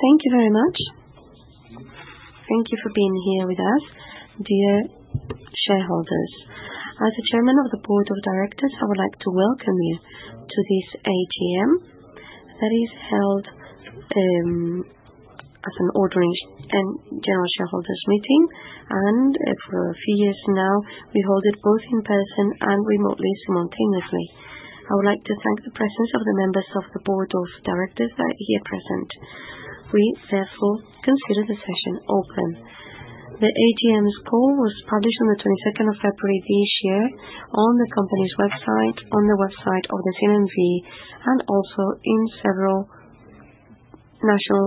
Thank you very much. Thank you for being here with us. Dear shareholders, as the Chairman of the Board of Directors, I would like to welcome you to this AGM that is held as an ordinary general shareholders meeting and for a few years now we hold it both in person and remotely simultaneously. I would like to thank the presence of the members of the Board. Directors that are here present. We therefore consider the session open. The AGM score was published on 22nd of February this year on the company's website, on the website of the CNMV and also in several national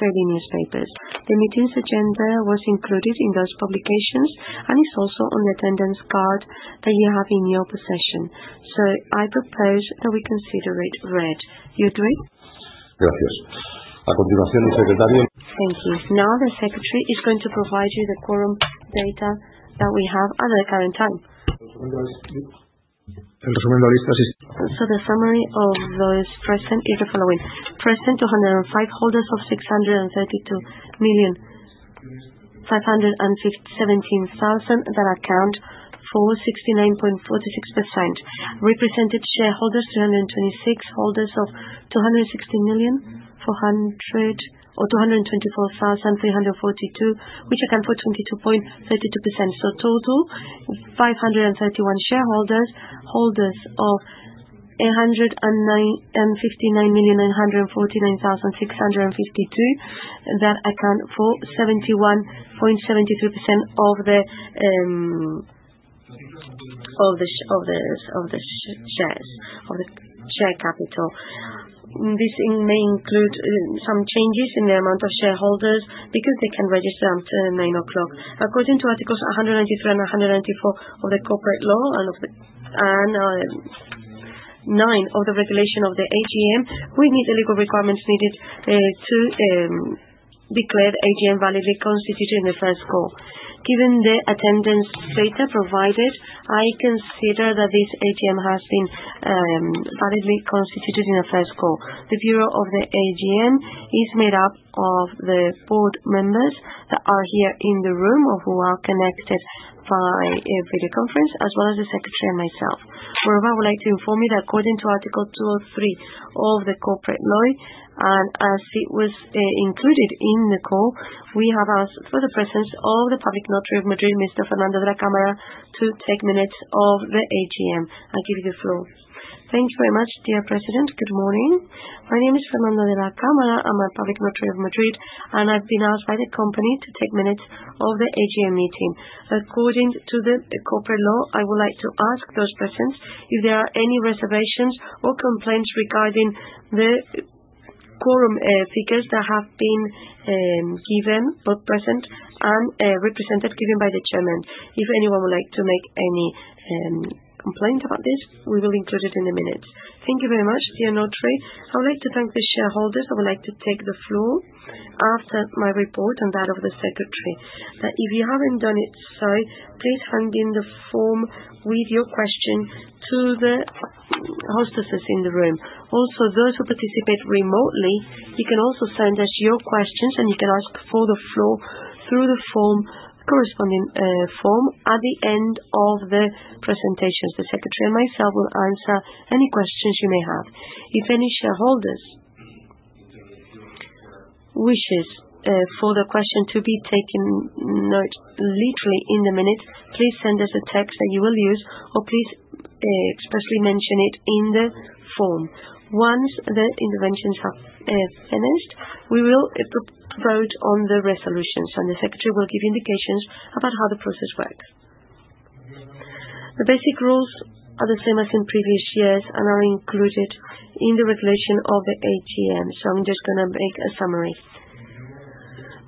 daily newspapers. The meeting's agenda was included in those publications and is also on the attendance card that you have in your possession. I propose that we consider it read, you do. Thank you. Now the Secretary is going to provide you the quorum data that we have at the current time. The summary of those present is the following. Present, 205 holders of 632,517,000 that account for 69.46%. Represented shareholders, 326 holders of 260,224,342 which account for 22.32%. Total, 531 shareholders holders of 159,949,652 that account for 71.73% of the shares of the capital. This may include some changes in the amount of shareholders because they can register until 9:00 A.M. According to articles 193 and 194 of the Corporate Law and 9 of the Regulation of the AGM, we meet the legal requirements needed to declare the AGM validly constituted in the first call. Given the attendance data provided, I consider that this AGM has been validly constituted in a first call. The Bureau of the AGM is made up of the board members that are here in the room or who are connected by video conference, as well as. The Secretary and myself. Moreover, I would like to inform you that according to Article 203 of the corporate law and as it was included in the call, we have asked for the presence of the public notary of Madrid, Mr. Fernando de la Cámara, to take minutes of the AGM. I give you the floor. Thank you very much. Dear President, good morning. My name is Fernando de la Cámara, I'm a public notary of Madrid and I've been asked by the company to take minutes of the AGM meeting according to the corporate law. I would like to ask those persons if there are any reservations or complaints regarding the quorum figures that have been given both present and represented. Given by the chairman. If anyone would like to make any complaints about this, we will include it in a minute. Thank you very much. Dear notary, I would like to thank the shareholders. I would like to take the floor after my report and that of the Secretary. If you haven't done it so, please hand in the form with your question to the hostesses in the room, also those who participate remotely. You can also send us your questions. You can ask for the floor. Through the corresponding form. At the end of the presentation, the Secretary and myself will answer any questions you may have. If any shareholders. Wishes for the question to be taken note literally in a minute, please send us a text that you will use or please expressly mention it in the form. Once the interventions have finished, we will vote on the resolutions and the Secretary will give indications about how the process works. The basic rules are the same as in previous years and are included in the regulation of the AGM. I'm just going to make a summary.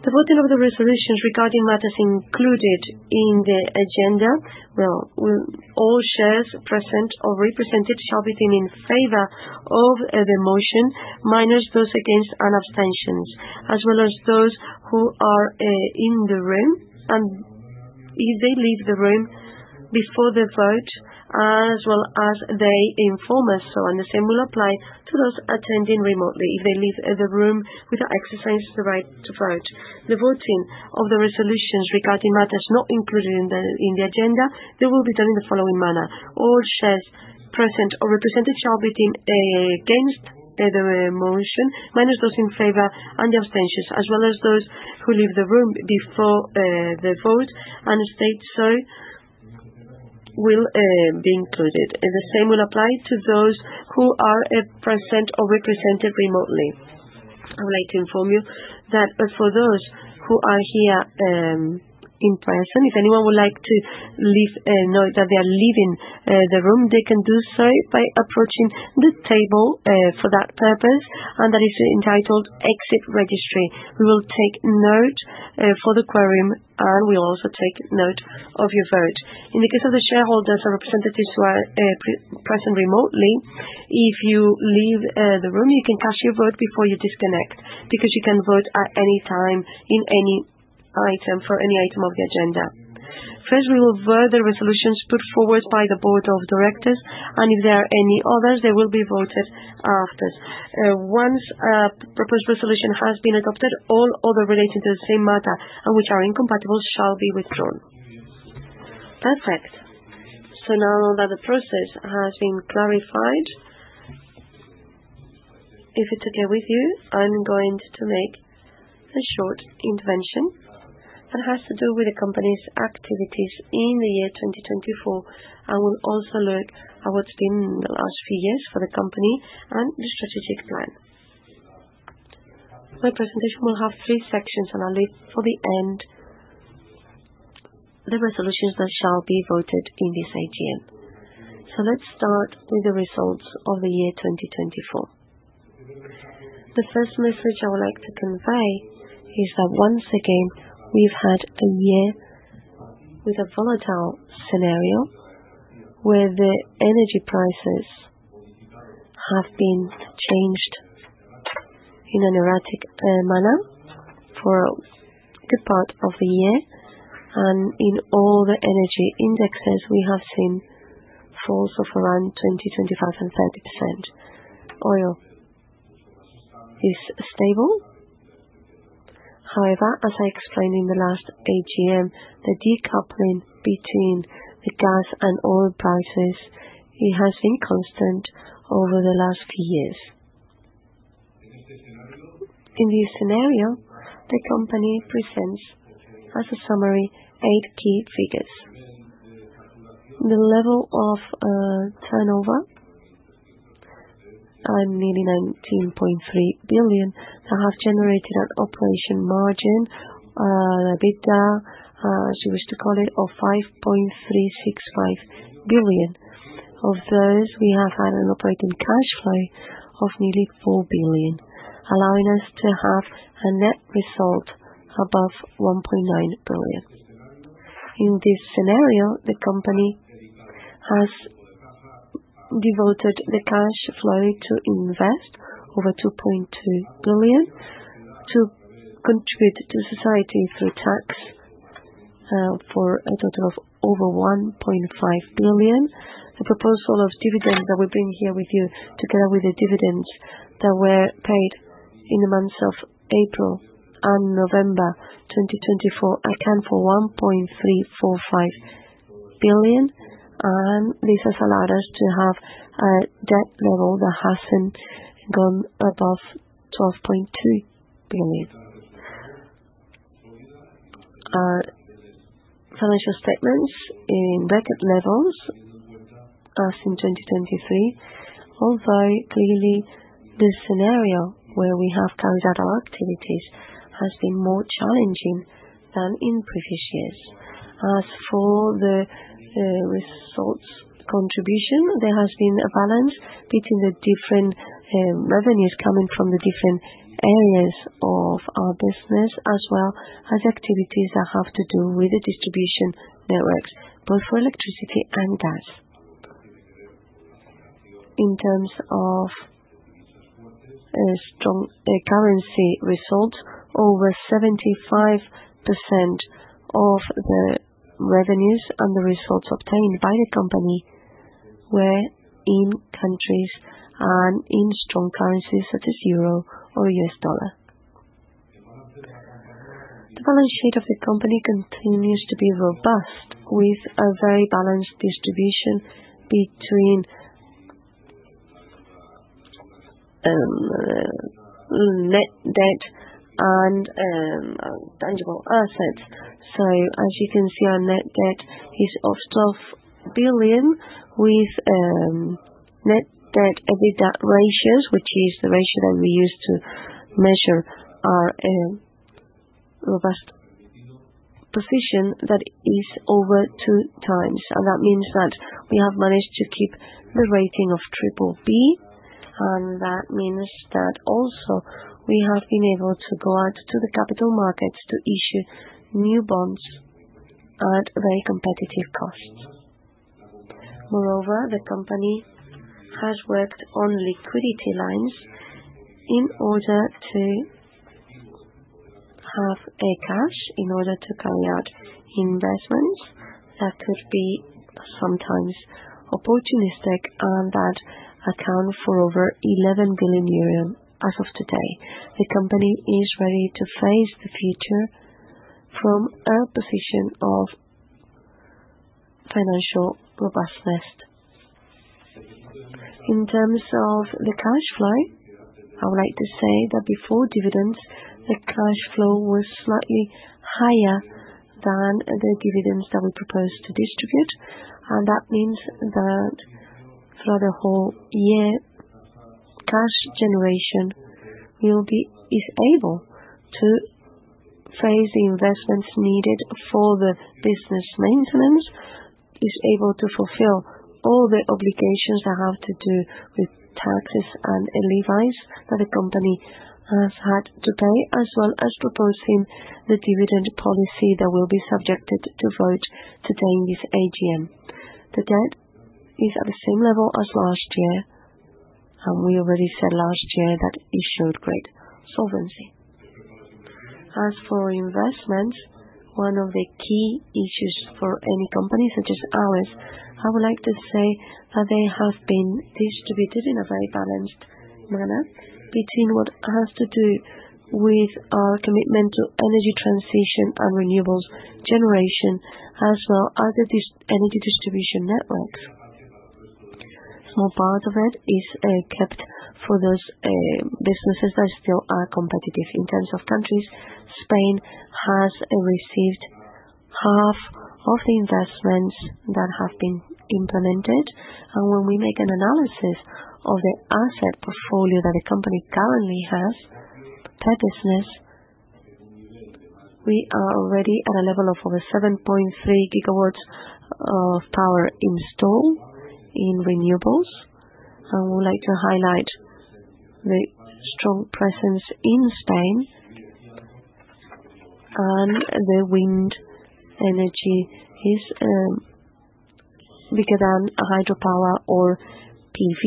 The voting of the resolutions regarding matters included in the agenda. All shares present or represented shall be seen in favor of the motion, minus those against and abstention, as well as those who are in the room, and if they leave the room before the vote, as well as they inform us so. The same will apply to those attending remotely if they leave the room without exercising the right to vote. The voting of the resolutions regarding matters not included in the agenda, they will be done in the following manner. All shares present or represented shall be against the motion, minus those in favor and the abstentions, as well as those who leave the room before the vote and state sorry will be included. The same will apply to those who are present or represented remotely. I would like to inform you that for those who are here in person, if anyone would like to know that. They are leaving the room, they can Do so by approaching the table for that purpose, and that is entitled Exit Registry. We will take note for the quorum. We will also take note of your vote in the case of the shareholders and representatives who are present remotely. If you leave the room, you can cast your vote before you disconnect, because you can vote at any time in any item, for any item of the agenda. First, we will vote the resolutions put Forward by the Board of Directors. If there are any others, they will be voted after. Once a proposed resolution has been adopted, All other relating to the same matter Which are incompatible shall be withdrawn. Perfect. Now that the process has been clarified, if it's okay with you I'm going to make a short intervention that Has to do with the company's activities. In the year 2024, I will also look at what's been. The last few years for the company. The strategic plan. My presentation will have three sections. I'll leave for the end. The resolutions. That shall be voted in this AGM. Let's start with the results of the year 2024. The first message I would like to Convey is that once again we've had a year with a volatile scenario where the energy prices have been changed in an erratic manner for the part of the year and in all the energy indexes we have seen falls of around 20%, 25%, and 30%. Oil is stable. However, as I explained in the last AGM, the decoupling between the gas and oil prices has been constant over the last few. In this scenario, the company presents as a summary eight key figures: the level of turnover at nearly 19.3 billion that have generated an operation margin, EBITDA, as you wish to call it, of 5.365 billion. Of those, we have had an operating cash flow of nearly 4 billion, allowing us to have a net result sold above 1.9 billion. In this scenario, the company has devoted the cash flow to invest over 2.2 billion to contribute to society through tax, for a total of over 1.5 billion. The proposal of dividends that we bring here with you, together with the dividends that were paid in the months of April and November 2024, account for 1.345 billion. This has allowed us to have a debt level that has not gone above EUR 12.2 billion. Financial statements in record levels passed in 2023, although clearly the scenario where we have carried out our activities has been more challenging than in previous years. As for the results contribution, there has been a balance between the different revenues coming from the different areas of our business, as well as activities that have to do with the distribution networks both for electricity and gas. In terms of strong currency results, over 75% of the revenues and the results obtained by the company were in countries and in strong currencies such as Euro or US Dollar. The balance sheet of the company continues to be robust with a very balanced distribution between net debt and tangible assets. As you can see, our net debt is of 12 billion, with net debt EBITDA ratios, which is the ratio that we use to measure our robust position, that is over 2x. That means that we have managed to keep the rating of true. That means that also we have been able to go out to the capital markets to issue new bonds at very competitive costs. Moreover, the company has worked on liquidity. Lines in order to have a cash in order to carry out investments that could be sometimes opportunistic and that account for over 11 billion euro as of today. The company is ready to face the future from a position of financial robustness. In terms of the cash flow, I would like to say that before dividends, the cash flow was slightly higher than the dividends that we propose to distribute. That means that throughout the whole year, cash generation is able to face the investments needed for the business. Maintenance is able to fulfill all the obligations that have to do with taxes and levies that the company have had to pay, as well as proposing the dividend policy that will be subjected to vote to NEG's AGM. The debt is at the same level as last year and we already said last year that it showed great solvency. As for investments, one of the key issues for any company such as ours, I would like to say that they have been distributed in a very balanced manner between what has to do with our commitment to energy transition and renewables generation, as well as energy distribution networks, a small part of it is kept for those businesses that still are competitive. In terms of countries, Spain has received half of the investments that have been implemented. When we make an analysis of the asset portfolio that the company currently has per business, we are already at a level of over 7.3 GW of power installed in renewables. I would like to highlight the strong presence in Spain and the wind energy is bigger than hydropower or PV.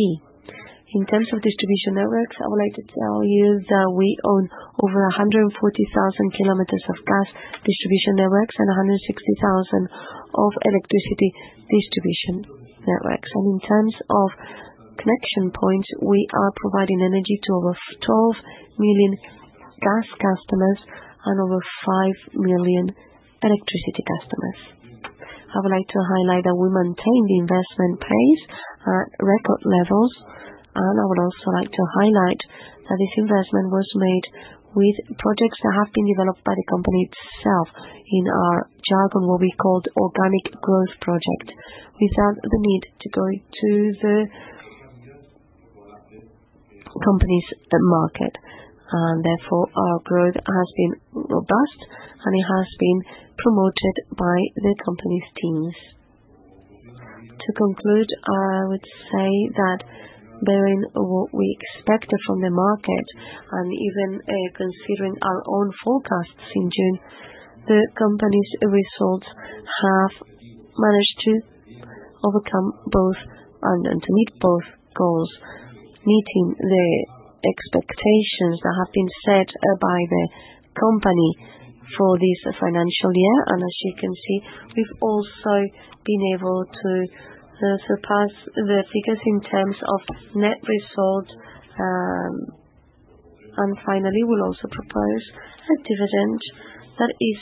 In terms of distribution networks, I would like to tell you that we own over 140,000 km of gas distribution networks and 160,000 km of electricity distribution networks. In terms of connection points, we are providing energy to almost 12 million gas customers and over 5 million electricity customers. I would like to highlight that we maintain the investment pace at record levels. I would also like to highlight that this investment was made with projects that have been developed by the company itself, in our jargon, what we called organic growth project, without the need to. Go to the Companies at market. Therefore our growth has been robust and it has been promoted by the company's teams. To conclude, I would say that bearing what we expected from the market and even considering our own forecasts in June, the company's results have managed to overcome both and to meet both goals, meeting the expectations that have been set by the company for this financial year. As you can see we've also. Been able to surpass the figures in Terms of net result. Finally, we'll also propose a dividend. That is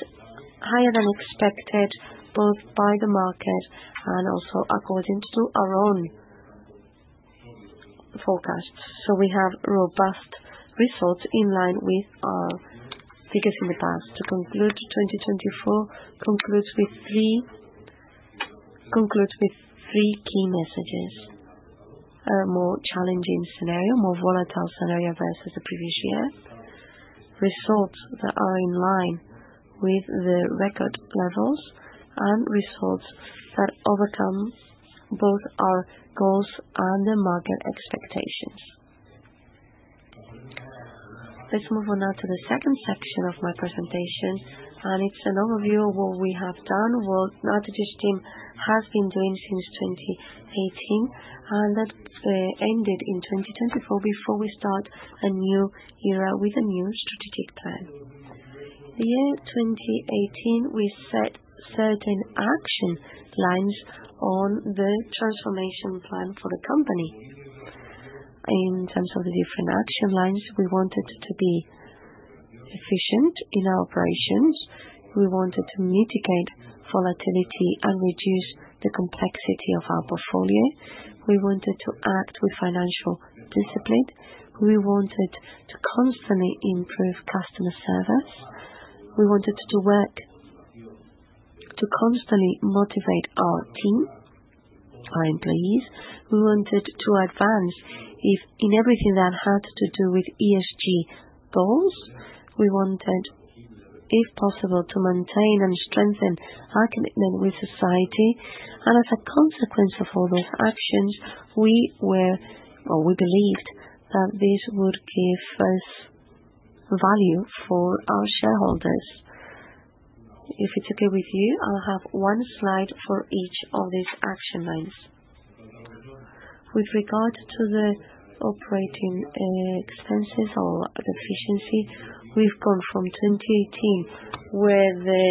higher than expected, both by the market and also according to our own Forecasts. We have robust results in line. With our figures in the past. To conclude, 2024 concludes with three key messages. A more challenging scenario, more volatile scenario versus the previous year. Results that are in line with the record levels and results that overcome both our goals and the market expectations. Let's move on now to the second section of my presentation and it's an overview of what we have done, what Naturgy's Team has been doing since 2018 and that ended in 2024 before we start a new era with a new strategic plan. In the year 2018, we set certain action lines on The transformation plan for the company. In terms of the different action lines, we wanted to be efficient in our operations. We wanted to mitigate volatility and reduce the complexity of our portfolio. We wanted to act with financial discipline. We wanted to constantly improve customer service. We wanted to work to constantly motivate our team, our employees. We wanted to advance in everything that had to do with ESG goals. We wanted, if possible, to maintain and strengthen our commitment with society. As a consequence of all those actions, we were or we believed that this would give us value for our shareholders. If it's okay with you, I'll have one slide for each of these action lines. With regard to the operating expenses or efficiency, we've gone from 2018 where the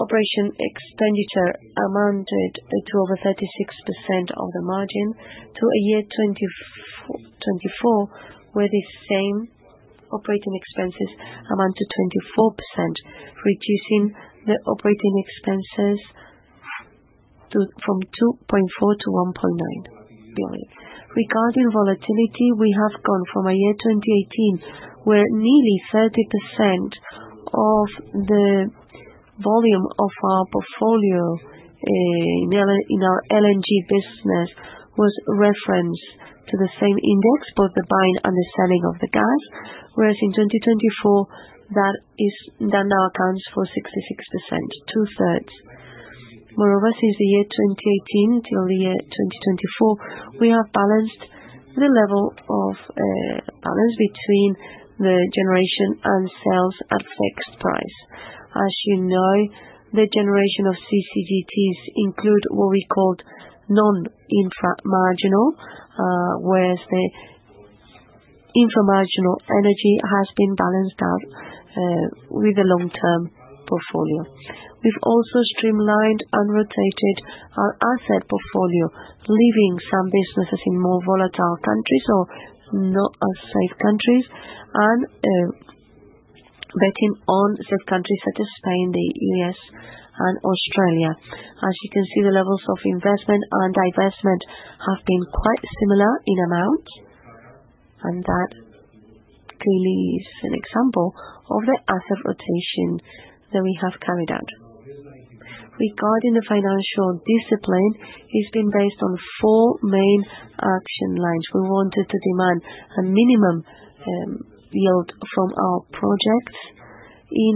operating expenditure amounted to over 36% of the margin to a year 2024 where the same operating expenses amount to 24%, reducing the operating expenses from 2.4 billion to 1.9 billion. Regarding volatility, we have gone from a year 2018 where nearly 30% of the volume of our portfolio in our LNG business was referenced to the same index, both the buying and the selling of the gas. Whereas in 2024 that now accounts for 66%, 2/3. Moreover, since the year 2018 till the year 2024, we have balanced the level of balance between the generation and sales at fixed price. As you know, the generation of CCGTs include what we called non infra-marginal, whereas the infra-marginal energy has been balanced out with a long term portfolio. We've also streamlined and rotated our asset portfolio, leaving some businesses in more volatile countries or not as safe countries and betting on safe countries such as Spain, the U.S. and Australia. As you can see, the levels of investment and divestment have been quite similar in amount. That clearly is an example of the asset rotation that we have carried out. Regarding the financial discipline, it's been based on four main actions. We wanted to demand a minimum yield from our projects in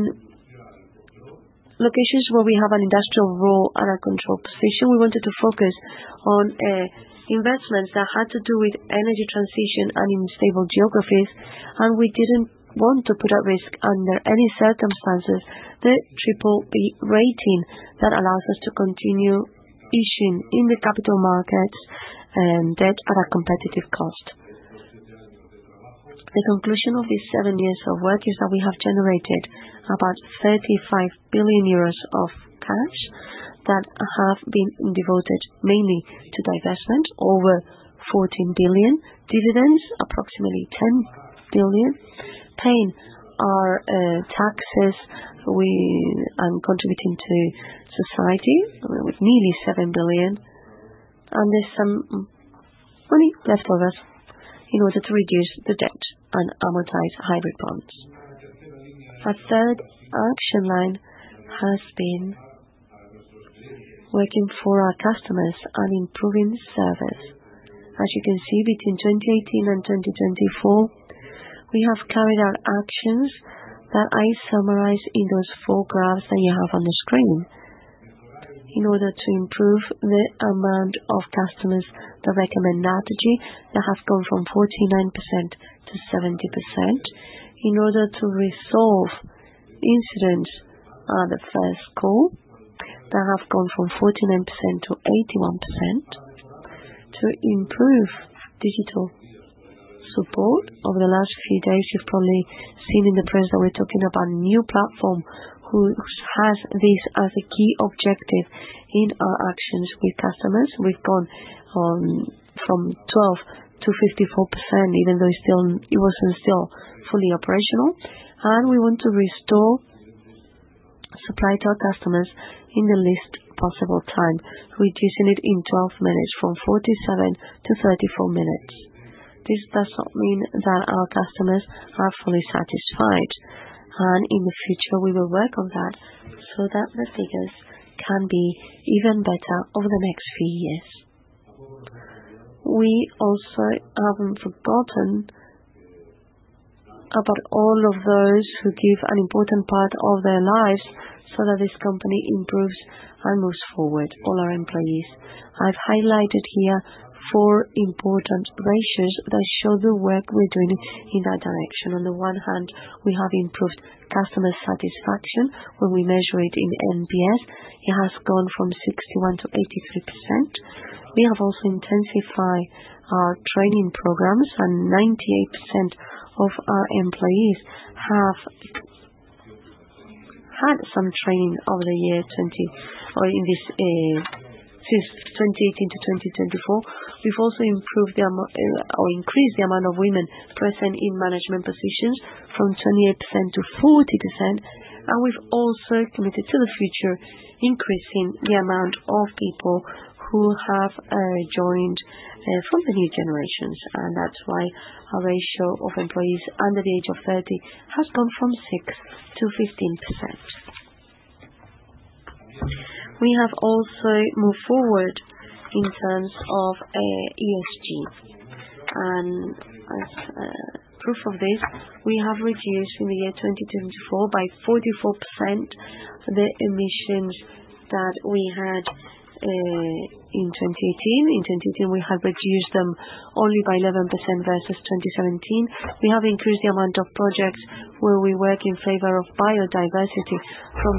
locations where we have an industrial role and a control position. We wanted to focus on investments that had to do with energy transition and in stable geographies. We didn't want to put at risk under any circumstances the BBB rating that allows us to continue issuing in the capital markets debt at a competitive cost. The conclusion of these seven years of work is that we have generated about 35 billion euros of cash that have been devoted mainly to divestment, over 14 billion dividends, approximately 10 billion, paying our taxes and contributing to society with nearly 7 billion. There is some money left for us in order to reduce the debt and amortize hybrid bonds. Our third action line has been working for our customers and improving service. As you can see, between 2018 and 2024, we have carried out actions that I summarized in those four graphs that you have on the screen in order to improve the amount of customers that recommend Naturgy that has gone from 49% to 70%, in order to resolve incidents on the first call that have gone from 49% to 81%, to improve digital support over the last few days You've probably seen in the press that we're talking about new platform who has this as a key objective. In our actions with customers, we've gone from 12% to 54% even though it wasn't still fully operational. We want to restore supply to our customers in the least possible time, reducing it in 12 minutes from 47 to 34 minutes. This does not mean that our customers are fully satisfied. In the future we will work on that so that the figures can be even better over the next few years. We also haven't forgotten about all of those who give an important part of their lives so that this company improves and moves forward, all our employees. I've highlighted here four important ratios that show the work we're doing in that direction. On the one hand, we have improved customer satisfaction. When we measure it in NBS, it has gone from 61% to 83%. We have also intensified our training programs and 98% of our employees have Had Some training over the year 2020 or in this since 2018 to 2024. We have also improved or increased the amount of women present in management positions from 28% to 40%. We have also committed to the future increasing the amount of people who have joined from the new generations. That is why our ratio of employees under the age of 30 has gone from 6% to 15%. We have also moved forward in terms Of ESG and as proof of this We have reduced in the year 2024 By 44% the emissions that we had in 2018. In 2018 we have reduced them only by 11% versus 2017. We have increased the amount of projects where we work in favor of biodiversity from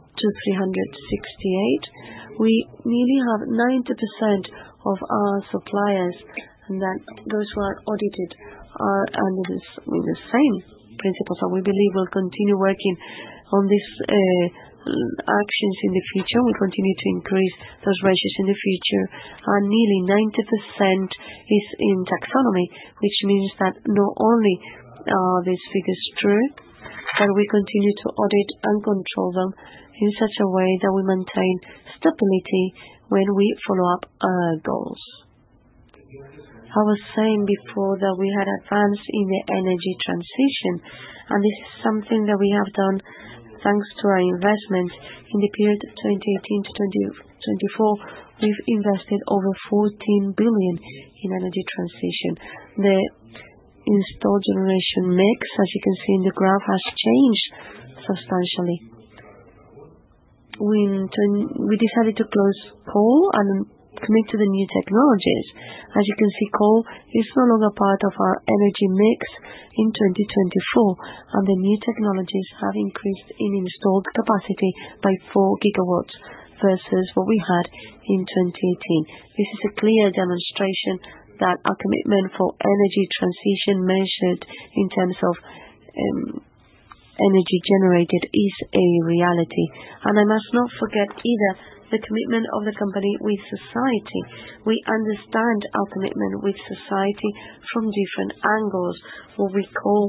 300 to 368. We nearly have 90% of our suppliers and that those who are audited are under the same principles that we believe we'll continue working on these actions in the future. We continue to increase those ratios in the future and nearly 90% is in taxonomy, which means that not only are these figures true, but we continue to audit and control them in such a way that we maintain stability when we follow up goals. I was saying before that we had advance in the energy transition and this is something that we have done thanks to our investment. In the period 2018 to 2024, we've invested over 14 billion in energy transition. The installed generation mix, as you can see in the graph, has changed substantially. We decided to close coal and commit to the new technologies. As you can see, coal is no longer part of our energy mix in 2024 and the new technologies have increased in installed capacity by 4 GW versus what we had in 2018. This is a clear demonstration that our commitment for energy transition measured in terms of energy generated is a reality. I must not forget either the commitment of the company with society. We understand our commitment with society from different angles. What we call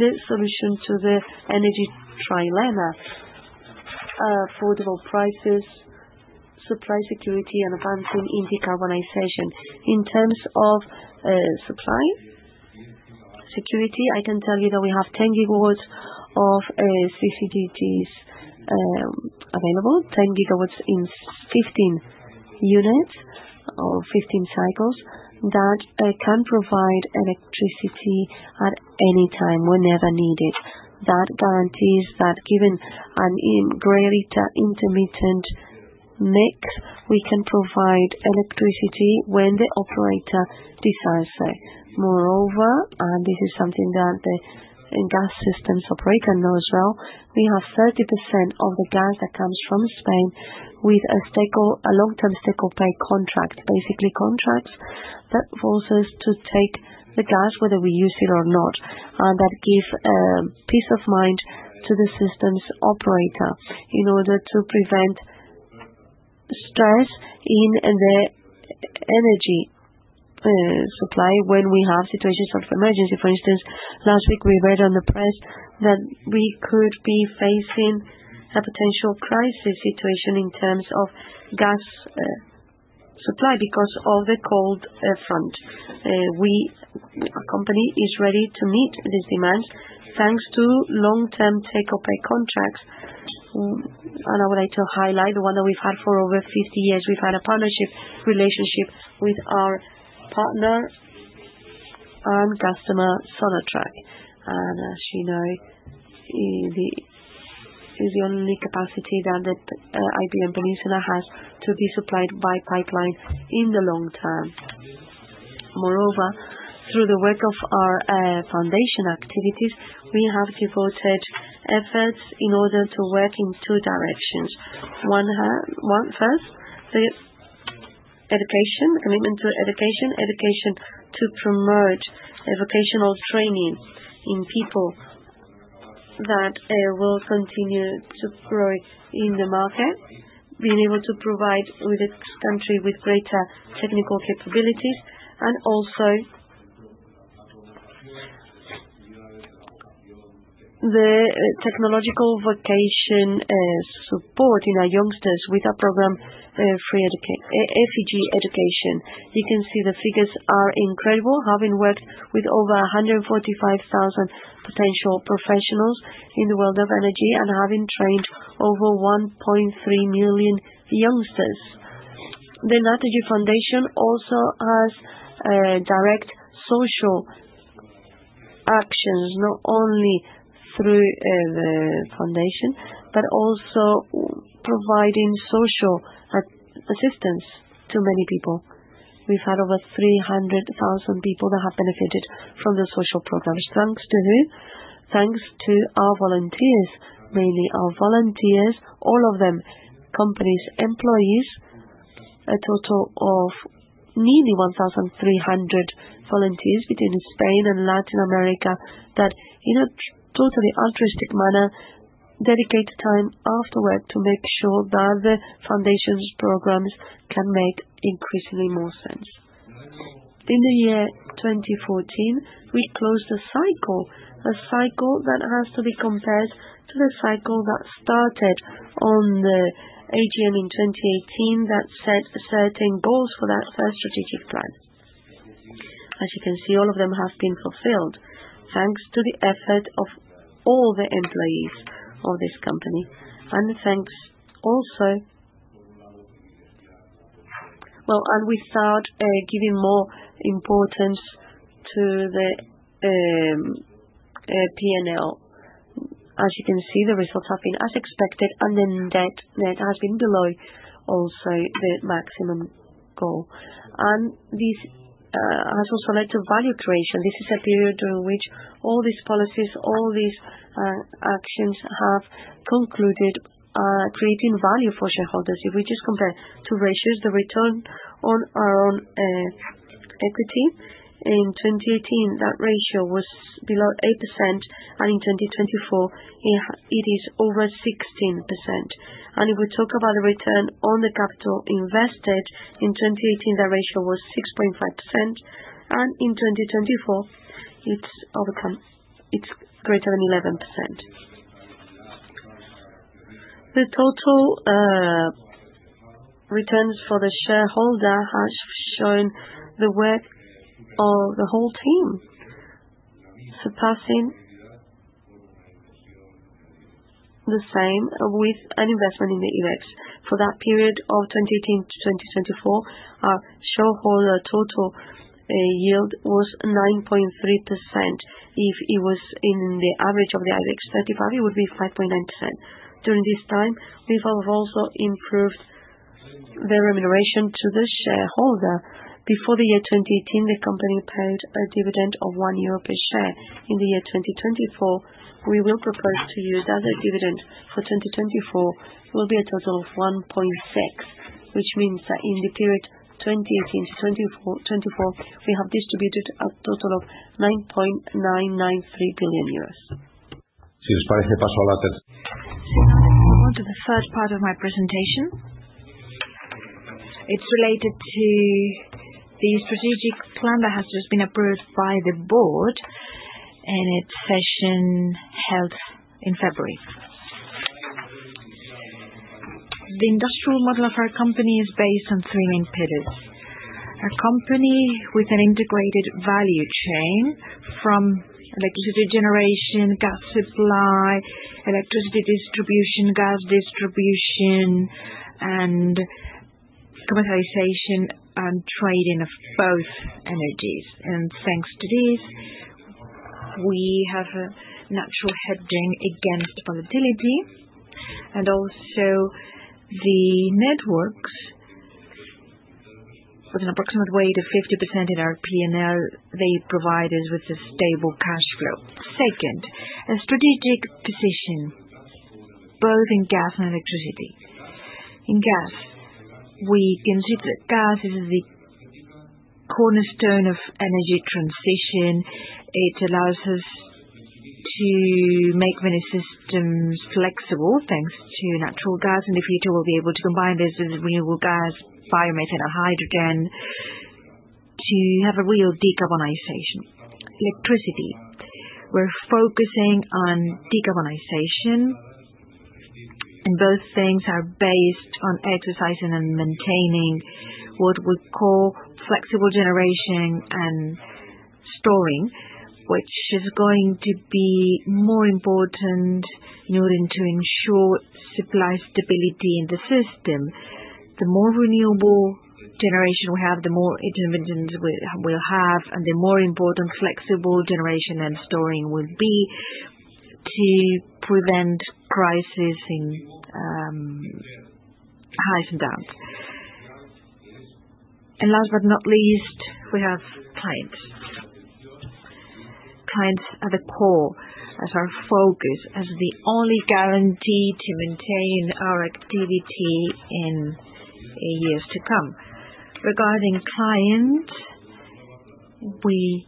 the solution to the energy trilemma. Affordable prices, supply security, and advancing intercarbonization. In terms of supply security, I can tell you that we have 10 GW of CCGTs available. 10 GW in 15 units or 15 cycles that can provide electricity at any time, whenever needed. That guarantees that given an intermittent mix, we can provide electricity when the operator decides it. Moreover, and this is something that the gas systems operator knows well, we have 30% of the gas that comes from Spain with a long-term take or pay contract, basically contracts that force us to take the gas whether we use it or not. That gives peace of mind to the system's operator in order to prevent stress in the energy supply when we have situations of emergency. For instance, last week we read on The press that we could be facing A potential crisis situation In terms of gas supply, because of the cold front, we, company is ready to meet these demands thanks to long Term take or pay contracts. I would like to highlight the one that we've had for over 50 years. We've had a partnership relationship with our Partner and customer Sonatrach and as you Know Is the only capacity that the Iberian Peninsula has to be supplied by pipeline in the long term. Moreover, through the work of our foundation. Activities, we have devoted efforts in order to work in two directions. First, the education. Commitment to education. Education to promote vocational training in people that will continue to grow again in the market. Being able to provide this country with greater technical capabilities. The technological vocation support in our youngsters with our program FEG education. You can see the figures are incredible. Having worked with over 145,000 potential professionals in the world of energy and having trained over 1.3 million youngsters, the Naturgy Foundation also has direct social actions. Not only through the foundation, but also providing social assistance to many people. We have had over 300,000 people that have benefited from the social programs. Thanks to who? Thanks to our volunteers. Mainly our volunteers, all of them company’s employees. A total of nearly 1,300 volunteers between Spain and Latin America that in a totally altruistic manner, dedicate time after work to make sure that the foundation's programs can make increasingly more sense. In the year 2014, we closed a cycle, a cycle that has to be Compared to the cycle that started on The AGM in 2018 that set certain goals for that first strategic plan. As you can see, all of them have been fulfilled thanks to the effort of all the employees of this company. Thanks to also. We start giving more importance To the P&L. As you can see, the results have been as expected and the net has been below also the maximum goal. This has also led to value creation. This is a period during which all these policies, all these actions have concluded, creating value for shareholders. If we just compare two ratios, the return on our own equity in 2018, that ratio was below 8% and in 2024 it is over 16%. If we talk about the return on the capital invested, in 2018 that ratio was 6.5% and in 2024 it's greater than 11%. The total returns for the shareholder has shown the work of the whole team surpassing the same with an investment in the events for that period of 2018 to 2024, our shareholder total yield was 9.3%. If it was in the average of The value, it would be 5.9%. During this time, Vivo have also improved. The remuneration to the shareholder. Before the year 2018, the company paid a dividend of 1 euro per share. In the year 2024, we will propose to use as a dividend for 2024 Will be a total of 1.6, which means that in the period 2018-2024 we have distributed a total of EUR 9.993 billion. On to the third part of my presentation. It's related to the strategic plan that has just been approved by the board in its session held in February. The industrial model of our company is based on three main pillars. A company with an integrated value chain from electricity generation, gas supply, electricity distribution, gas distribution, and commercialization and trading of both. Thanks to this, we have a natural hedging against volatility. Also, the networks, with an approximate weight of 50% in our P&L, provide us with a stable cash flow. Second, a strategic position both in gas and electricity. In gas, we consider gas is the cornerstone of energy transition. It allows us to make many systems flexible. Thanks to natural gas, in the future we'll be able to combine this renewable gas, biomethane, and hydrogen to have a real decarbonization electricity. We're focusing on decarbonization and both things are based on exercising and maintaining what we call flexible generation and storing, which is going to be more important in order to ensure supply stability in the system. The more renewable generation we have, the more interventions we'll have, and the more important flexible generation and storing will be to prevent crises, highs and downs. Last but not least, we have clients. Clients at the core as our focus, as the only guarantee to maintain our activity in years to come. Regarding clients, we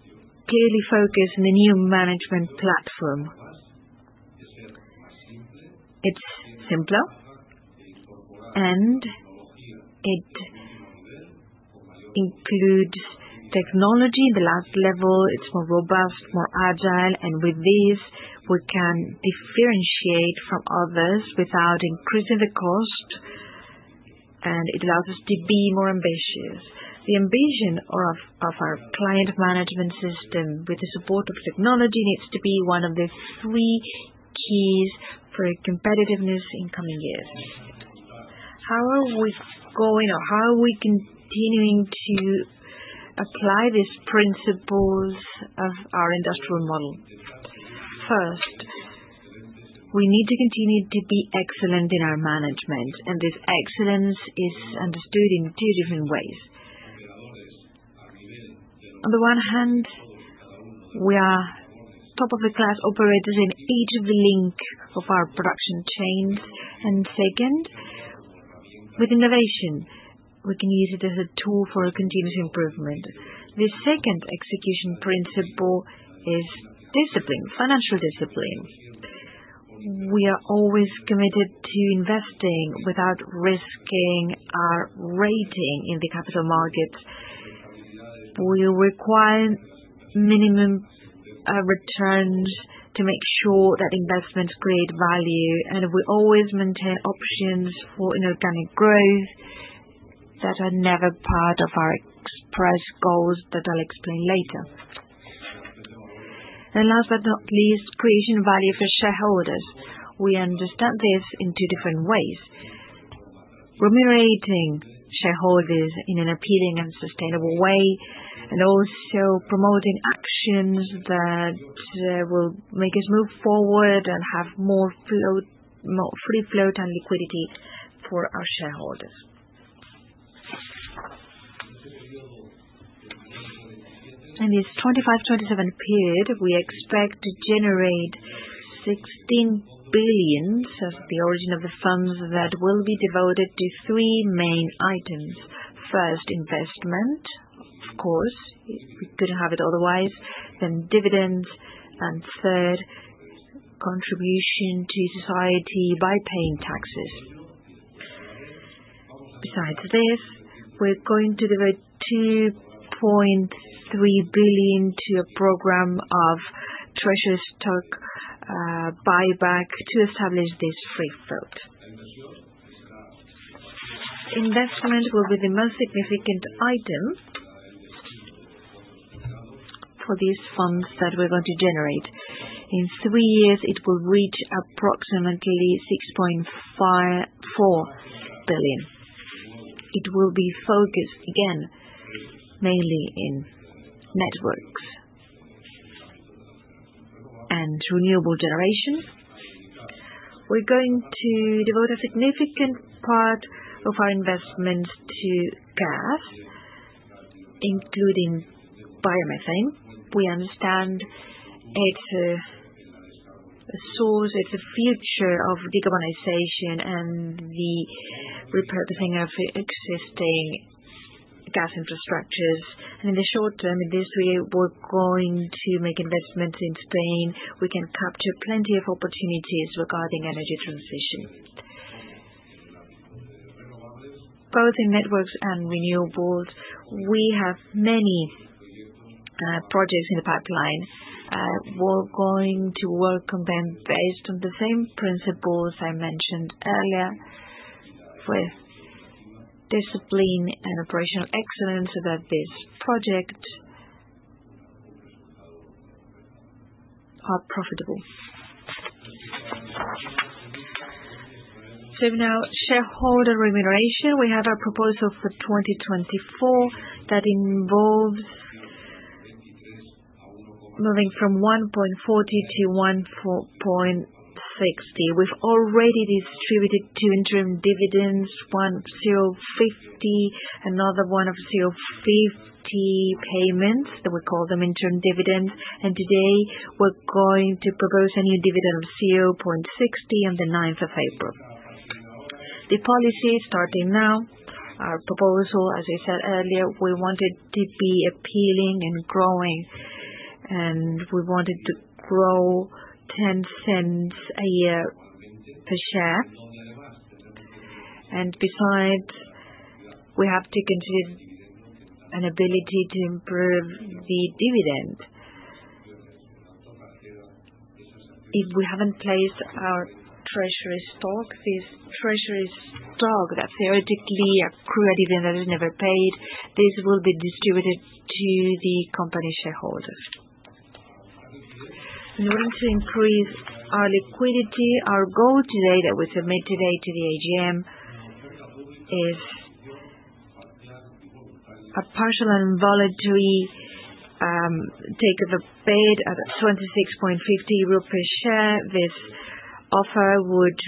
clearly focus on the new management platform. It's simpler and it includes technology. The last level, it's more robust, more agile. With this we can differentiate from others without increasing the cost. It allows us to be more ambitious. The ambition of our client management system, with the support of technology, needs to be one of the three keys for competitiveness in coming years. How are we going or how are we continuing to apply these principles of our industrial model? First, we need to continue to be excellent in our management. This excellence is understood in two different ways. On the one hand, we are top of the class operators in each of the link of our production chains. Second, with innovation, we can use it as a tool for continuous improvement. The second execution principle is discipline, financial discipline. We are always committed to investing without risking our rating in the capital market. We require minimum returns to make sure that investments create value. We always maintain options for inorganic growth that are never part of our economy. Express goals that I'll explain later. Last but not least, creating value for shareholders. We understand this in two different ways: remunerating shareholders in an appealing and sustainable way and also promoting actions that will make us move forward and have more free float and liquidity for our shareholders. In this 2025-2027 period, we expect to generate 16 billion as the origin of the funds that will be devoted to three main items. First, investment, of course we could have it otherwise. Then dividends. Third, contribution to society by paying taxes. Besides this, we're going to devote 2.3 billion to a program of treasury stock buyback to establish this free float. Investment will be the most significant item for these funds that we're going to generate. In three years it will reach approximately 6.4 billion. It will be focused again mainly in networks and renewable generation. We're going to devote a significant part of our investments to gas, including biomethane. We understand it's a source. It's a future of decarbonization and the repurposing of existing gas infrastructures. In the short term, in this way, we're going to make investments. In Spain, we can capture plenty of opportunities regarding energy transition. Both in networks and renewables, we have many projects in the pipeline. We're going to work on them based on the same principles I mentioned earlier, with discipline and operational excellence that this project Are profitable. Now, shareholder remuneration. We have a proposal for 2024 that involves moving from 1.40 to 1.60. We've already distributed two interim dividends. 1.050, another one of 0.50 payments. We call them interim dividends. Today we're going to propose a new dividend of 0.60 on 9th April. The policy starting now, our proposal, as I said earlier, we want it to be appealing and growing. We want it to grow 0.10 a year per share. Besides, we have taken to an ability to improve the dividend. If we haven't placed our treasury stock, this treasury stock that theoretically accrued even that is never paid, this will be distributed to the company shareholders. In order. To increase our liquidity. Our goal today, that we submit today to the AGM, is a partial and voluntary takeover bid at EUR 26.50 per share. This offer would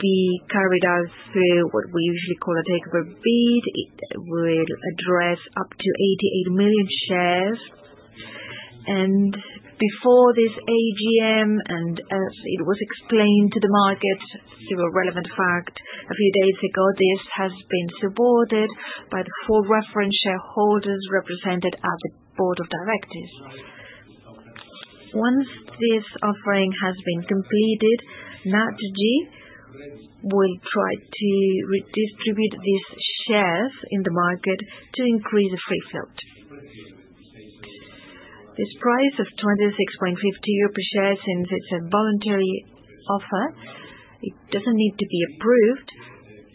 be carried out through what we usually call a takeover bid. It will address up to 88 million shares. Before this AGM and as it was explained to the market, still a relevant fact a few days ago. This has been supported by the four reference shareholders represented at the Board of Directors. Once this offering has been completed, Naturgy will try to redistribute these shares in the market to increase the free float. This price of 26.50 euro per share, since it's a voluntary offer, it doesn't need to be approved.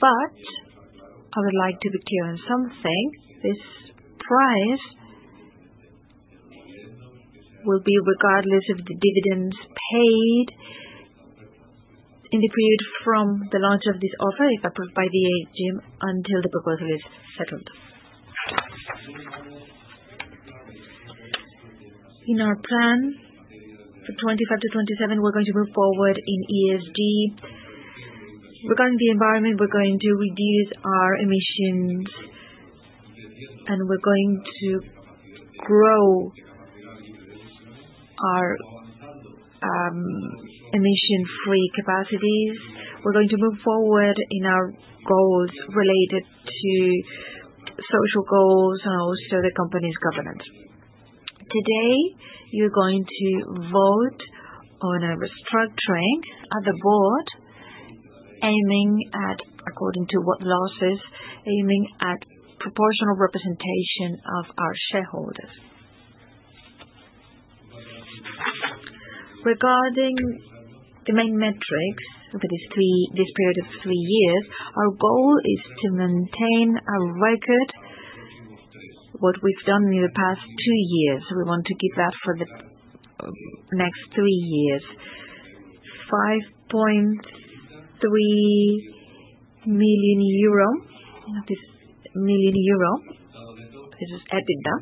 I would like to be clear on something. This price will be regardless of the dividends paid in the period from the launch of this offer, if approved by the AGM, until the proposal is settled. In our plan for 2025 to 2027 We're going to move forward in ESG regarding the environment. We're going to reduce our emissions and we're going to grow Our Emission free capacity capacities. We're going to move forward in our goals related to social goals and also the company's governance. Today you're going to vote on a restructuring of the board aiming at, according to what losses, aiming at proportional representation of our shareholders. Regarding the main metrics, over this period of three years, our goal is to maintain a record what we've done in the past two years. We want to keep that for the next three years. EUR 5.3 million. This is EBITDA.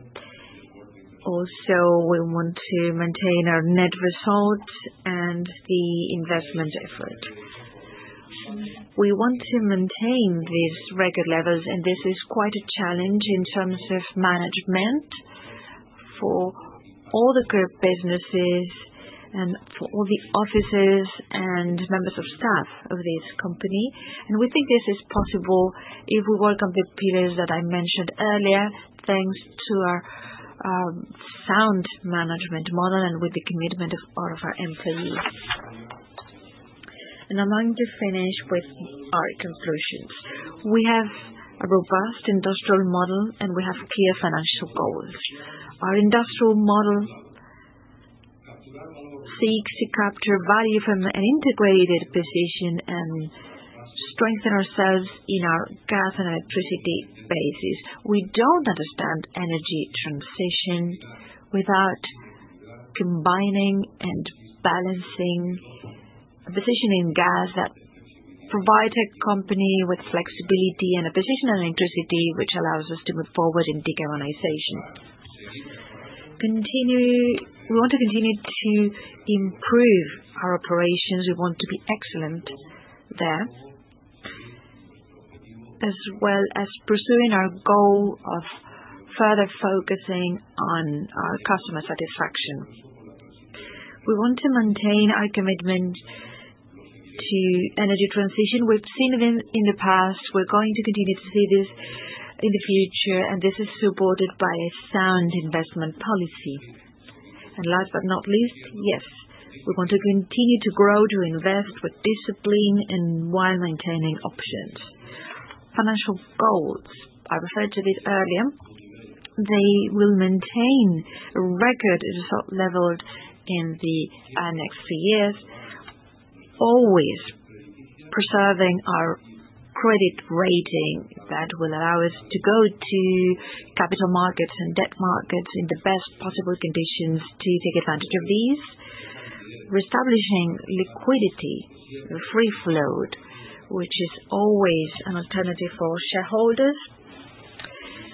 Also We want to maintain our net result and the investment effort. We want to maintain these record levels. This is quite a challenge in terms of management for all the group businesses and for all the offices and members of staff of this company. I think this is possible if we work on the pillars that I mentioned earlier. Thanks to our sound management model and with the commitment of all of our employees. I'm going to finish with our conclusions. We have a robust industrial model and we have clear financial goals. Our industrial model seeks to capture value from an integrated position and strengthen ourselves in our gas and electricity basis. We don't understand energy transition without combining and balancing position in gas that provides a company with flexibility and a position of electricity which allows us to move forward in decarbonization. We want to continue to improve our operations. We want to be excellent there. As As pursuing our goal of further focusing on our customer satisfaction, we want to maintain our commitment to energy transition. We've seen them in the past. We're going to continue to see this in the future, and this is supported by a sound investment policy. Last but not least, yes, we want to continue to grow, to invest with discipline while maintaining options, financial goals. I referred to this earlier, they will maintain a record level in the next few years, always preserving our credit rating. That will allow us to go to capital markets and debt markets in the best possible conditions to take advantage of these, reestablishing liquidity, free float, which is always an alternative for shareholders.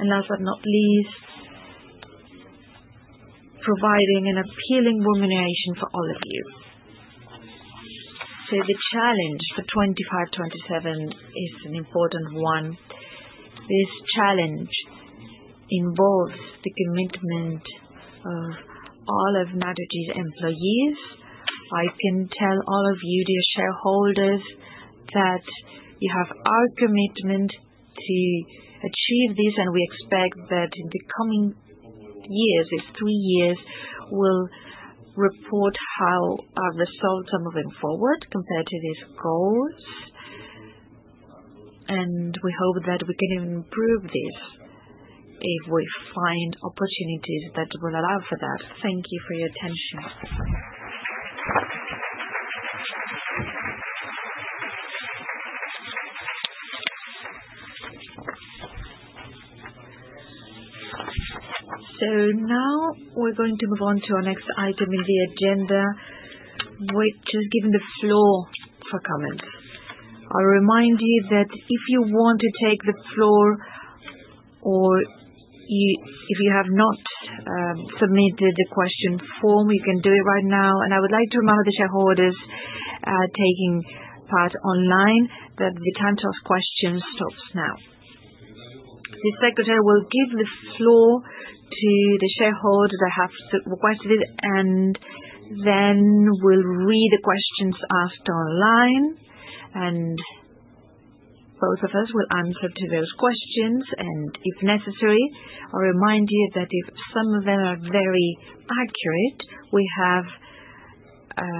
Last but not least, providing an appealing remuneration for all of you. The challenge for 2025-2027 is an important one. This challenge involves the commitment of all of Naturgy's employees. I can tell all of you dear shareholders, that you have our commitment to achieve this. We expect that in the coming years, these three years will report how our results are moving forward compared to these goals. We hope that we can improve this if we find opportunities that will allow for that. Thank you for your attention. Now we are going to move on to our next item in the agenda, which is giving the floor for comments. I remind you that if you want to take the floor, or if you have not submitted a question form, you can do it right now. I would like to remind the shareholders taking part online that the time to ask questions stops now. The secretary will give the floor to the shareholders that have requested it. We will read the questions asked online and both of us will answer those questions. If necessary, I'll remind you that if some of them are very accurate, we have a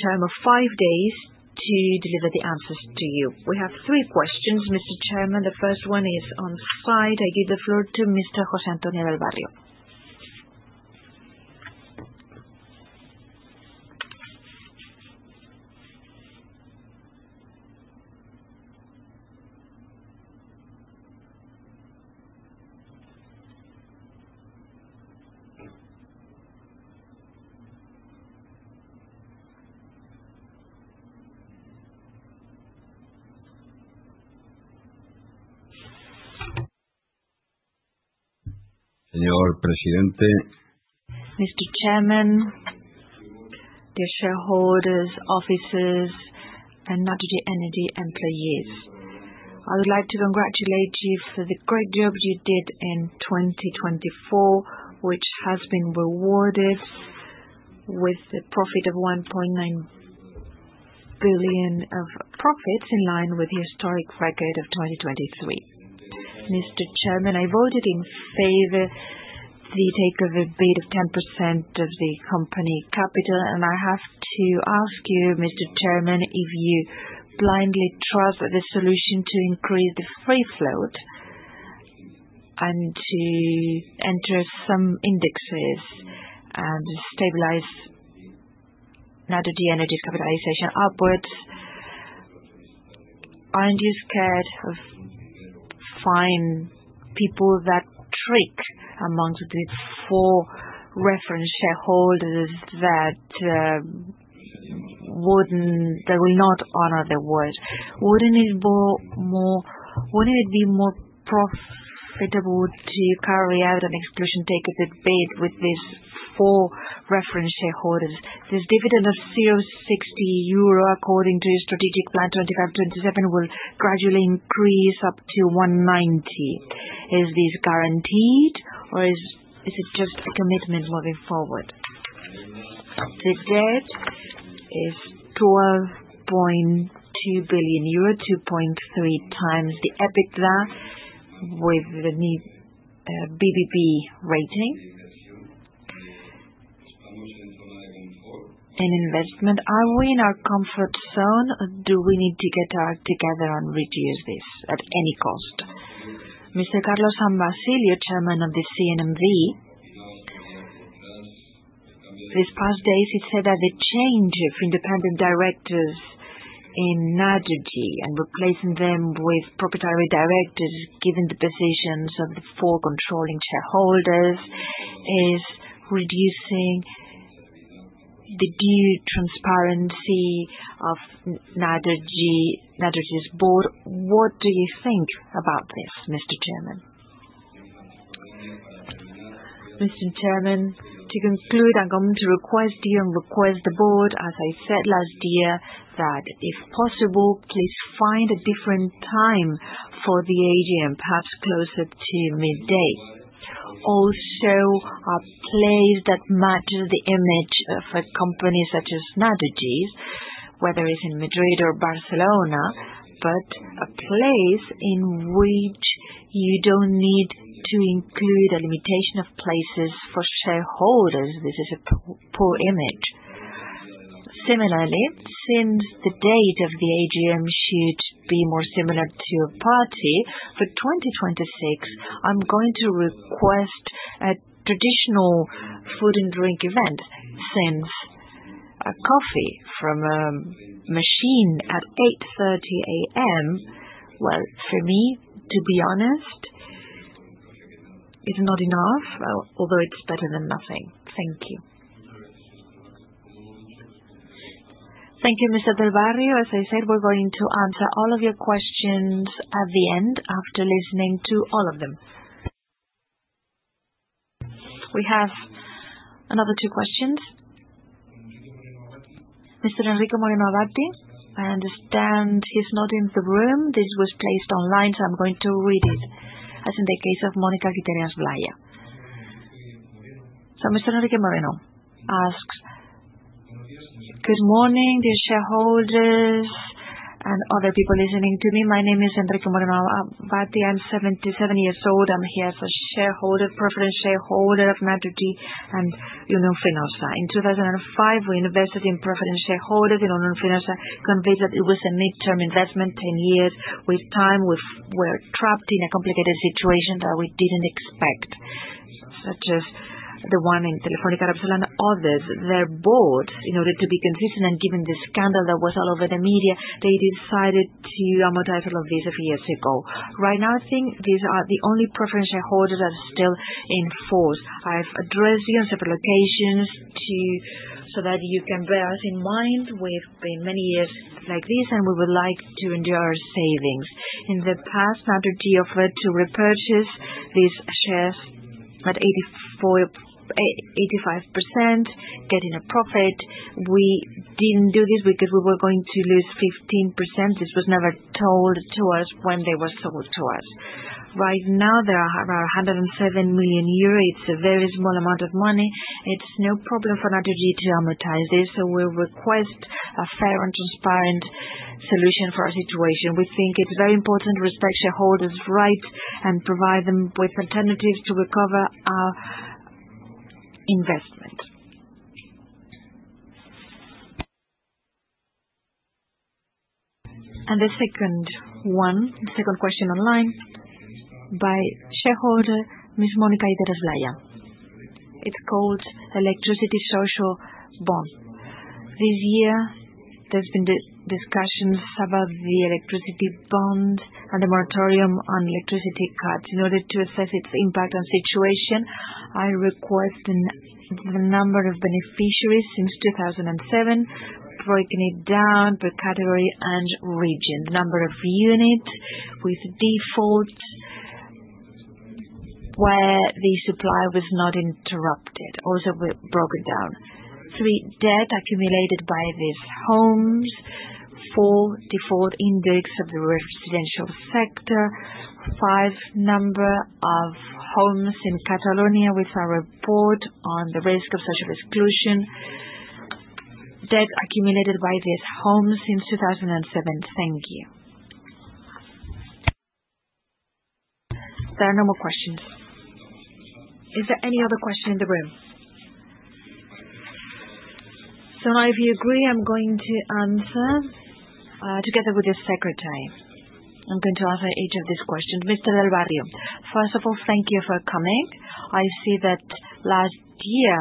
term of five days to deliver the answers to you. We have three questions, Mr. Chairman. The first one is on site. I give the floor to Mr. Jose Antonio Del Barrio. Mr. Chairman, dear shareholders, officers, and Naturgy Energy employees, I would like to congratulate you for the great job you did in 2024, which has been rewarded with a profit of 1.9 billion of profits in line with the historic record of 2023. Mr. Chairman, I voted in favor of the takeover bid of 10% of the company capital. I have to ask you, Mr. Chairman, if you blindly trust the solution to increase the free float and to enter some indexes and stabilize now the energy's capitalization upwards. Aren't you scared of finding people that trick amongst the four reference shareholders that will not honor the word. Wouldn't it be more profitable to carry out an exclusion, take a bid with these four reference shareholders? This dividend of 0.60 euro, according to strategic plan 2025-2027, will gradually increase up to 1.90. Is this guaranteed or is it just a commitment moving forward? The debt is EUR 12.2 billion, 2.3x the EBITDA. With the new BBB rating, an investment, are we in our comfort zone? Do we need to get together and reduce this at any cost? Mr. Carlos San Basilio, Chairman of the CNMV, These past days it said that the change of independent directors in Naturgy and replacing them with proprietary directors, given the positions of the four controlling shareholders, is reducing the due transparency of Naturgy's board. What do you think about this, Mr. Chairman? Mr. Chairman, to conclude, I'm going to request you, and request the board, as I said last year, that if possible, please find a different time for the AGM, perhaps closer to midday. Also a place that matches the image of a company such as Naturgy, whether it's in Madrid or Barcelona, but a place in which you don't need to include a limitation of places for shareholders. This is a poor image. Similarly, since the date of the AGM should be more similar to a party for 2026, I'm going to request a traditional food and drink event. Since a coffee from a machine at 8:30 A.M., for me, to be honest, is not enough. Although it's better than nothing. Thank you. Thank you, Mr. Del Barrio. As I said, we're going to answer all of your questions. At the end, after listening to all of them. We have another two questions. Mr. Enrique Moreno Abati. I understand he's not in the room. This was placed online, so I'm going to read it. As in the case of Monica Gutierrez Vlaia. Mr. Enrique Moreno asks, good morning, dear shareholders and other people listening to me. My name is Enrique Moreno. I'm 77 years old. I'm here as a shareholder, profit and shareholder of Naturgy and Unión Fenosa. In 2005, we invested in profit and shareholders in Unión Fenosa convinced that it was a midterm investment, 10 years. With time, we were trapped in a complicated situation that we didn't expect, such as the one in Telefonica and others, their boards. In order to be consistent and given the scandal that was all over the media, they decided to amortize a loan visa years ago. Right now, I think these are the only preference shareholders that are still in force. I've addressed the unsettled locations so that you can bear us in mind. We've been many years like this and we would like to endure our savings. In the past, Naturgy offered to repurchase these shares at 85% getting a profit. We didn't do this because we were going to lose 15%. This was never told to us when they were sold to us. Right now there are around 107 million euro. It's a very small amount of money. It's no problem for Naturgy to amortize this. We request a fair and transparent solution for our situation. We think it's very important to respect shareholders' rights and provide them with alternatives to recover our investment. The second one, the second question online by shareholder Ms. Monica Gutierrez Vlaia. It's called electricity social bond. This year there's been discussions about the electricity bond at the moratorium of electricity cuts. In order to assess its impact on situation, I request the number of beneficiaries since 2007, breaking it down by category and region. Number of units with defaults where the supply was not interrupted, also broken down. three Debt accumulated by these homes four Default index of the residential sector. Five number of homes in Catalonia. With our report on the risk of social exclusion. Debt accumulated by these homes since 2007. Thank you. There are no more questions. Is there any other question in the room? If you agree, I'm going to answer together with the secretary. I'm going to answer each of these questions. Mr. Del Barrio, first of all, thank you for coming. I see that last year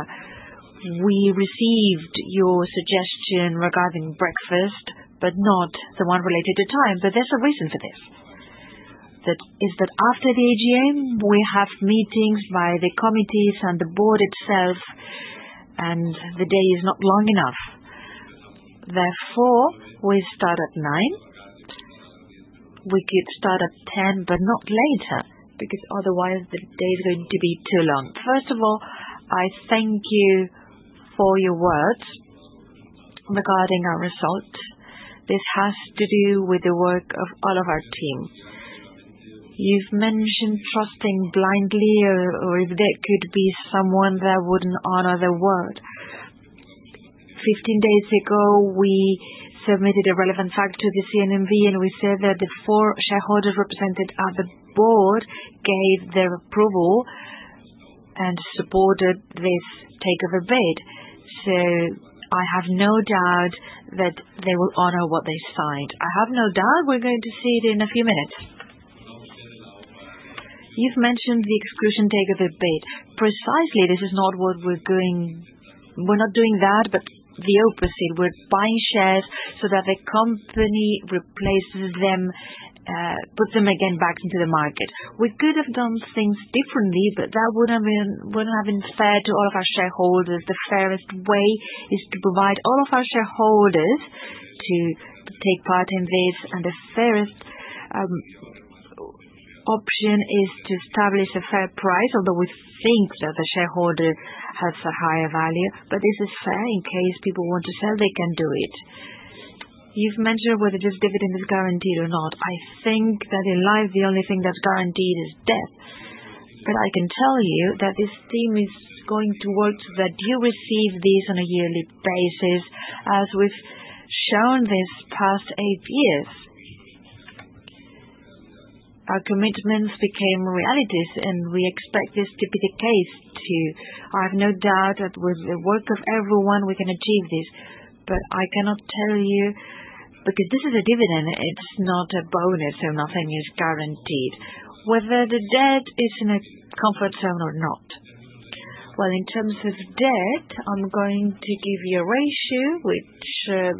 we received your suggestion regarding breakfast, but not the one related to time. There's a reason for this. That is that after the AGM we have meetings by the committees and the board itself. The day is not long enough. Therefore we start at 9:00 A.M. We could start at 10:00 A.M., but not later, because otherwise the day is going to be too long. First of all, I thank you for your words regarding our result. This has to do with the work of all of our team. You've mentioned trusting blindly or if there could be someone that wouldn't honor the word. Fifteen days ago we submitted a relevant fact to the CNMV and we said that the four shareholders represented at the board gave their approval and supported this takeover bid. I have no doubt that they will honor what they signed. I have no doubt we're going to see it in a few minutes. You've mentioned the exclusion takeover debate. Precisely. This is not what we're doing. We're not doing that, but the opposite. We're buying shares so that the company replaces them, puts them again back into the market. We could have done things differently, but that wouldn't have been fair to all of our shareholders. The fairest way is to provide all of our shareholders to take part in this. The fairest Option is to establish a fair price. Although we think that the shareholder has a higher value, this is fair in case people want to sell they can do it. You've mentioned whether this dividend is guaranteed or not. I think that in life the only thing that's guaranteed is death. I can tell you that this theme is going towards the due respect these on a yearly basis. As we've shown this past eight years, our commitments became realities and we expect this to be the case too. I have no doubt that with the work of everyone we can achieve this. I cannot tell you because this is a dividend, it's not a bonus. Nothing is guaranteed whether the debt is in a comfort zone or not. In terms of debt, I'm going To give you a ratio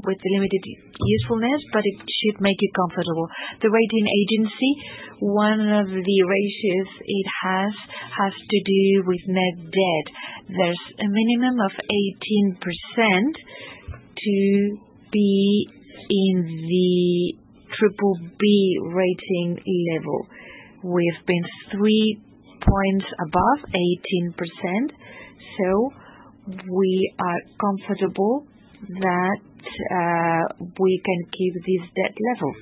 with limited usefulness, but it should make you comfortable. The rating agency, one of the ratios it has has to do with net debt. There's a minimum of 18% to be in the BBB rating level. We've been three points above 18%. We are comfortable that we can keep these debt levels.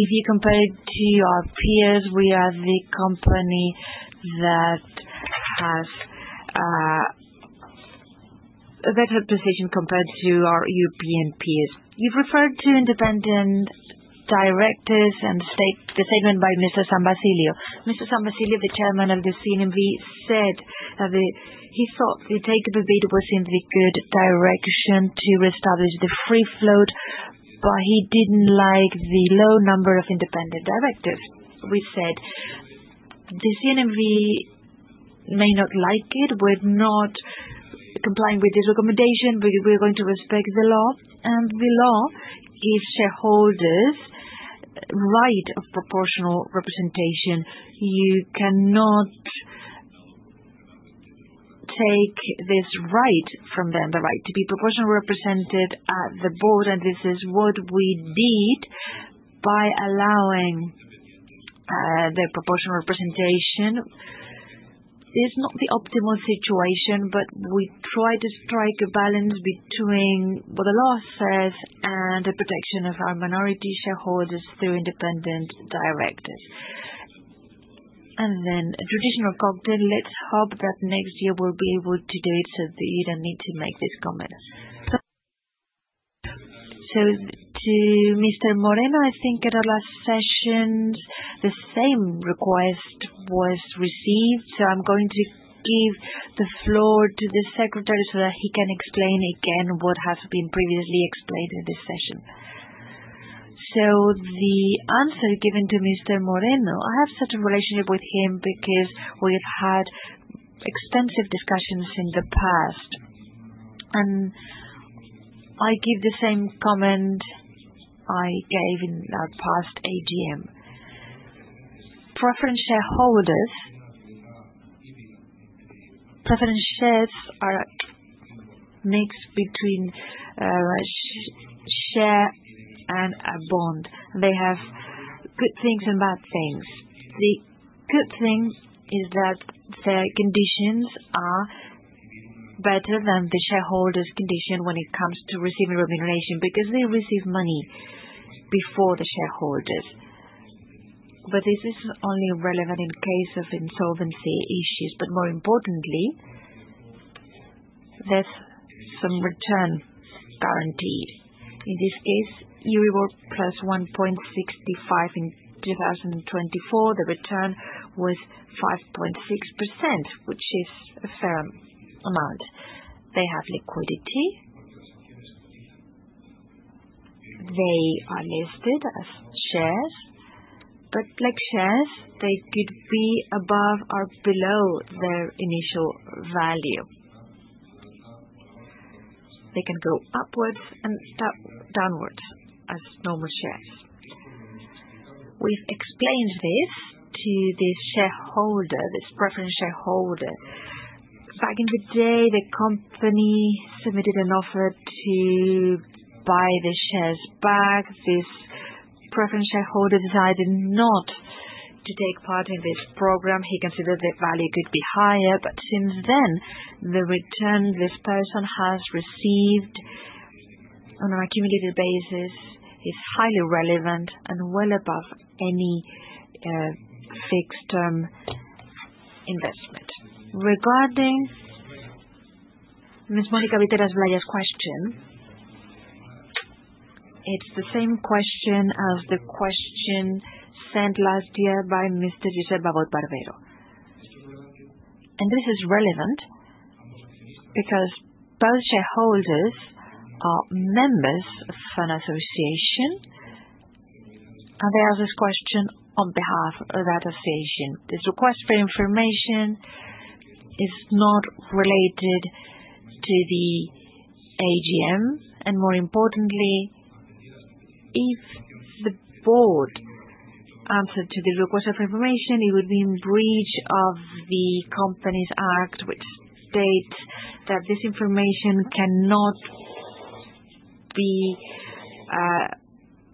If you compare it to our peers, we are the company that has. a Better position compared to our European peers. You've referred to independent directors and the statement by Mr. San Basilio. Mr. San Basilio, the Chairman of the CNMV, said that he thought the take the bid was in the good direction to reestablish the free float. He didn't like the low number of independent directors. We said the CNMV may not like it. We're not complying with this recommendation. We're going to respect the law. The law gives shareholders right of proportional representation. You cannot take this right from them. The right to be proportionally represented at the board. This is what we did, by allowing the proportional representation, is not the optimal situation. We try to strike a balance between what the law says and the protection of our minority shareholders through independent directors. Then traditional cocktail Let's hope that next year we'll be Able to do it, so you don't need to make this comment. To Mr. Moreno, I think at our last session the same request was received. I am going to give the floor to the secretary so that he can explain again what has been previously explained in this session. The answer given to Mr. Moreno, I have such a relationship with him because we've had extensive discussions in the past and I give the same comment I gave in our past AGM. Preference shareholders. Preference shares are mixed between share and a bond. They have good things and bad things. The good thing is that their conditions are better than the shareholders' condition when it comes to receiving remuneration because they receive money before the shareholders. This is only relevant in case of insolvency issues. More importantly, there's some return guarantee. In this case +1.65. In 2024 the return was 5.6%, which is a fair amount. They have liquidity, they are listed as shares, but like shares, they could be above or below their initial value. They can go upwards and downwards as normal shares. We've explained this to this shareholder, this preference shareholder. Back in the day the company submitted an offer to buy the shares back. This preference shareholder decided not to take part in this program. He came consider the value could be higher. Since then the return this person has received on an accumulated basis is highly relevant and well above any fixed term investment. Regarding Ms. Monica Gutierrez Vlaia's question. It's the same question as the question sent last year by Mr. Joseph Babol Barbero. This is relevant because both shareholders are members of an association and they ask this question on behalf of that association. This request for information is not related to the AGM. More importantly, if the board answered to the request of information, it would be in breach of the company's act, which states that this information cannot be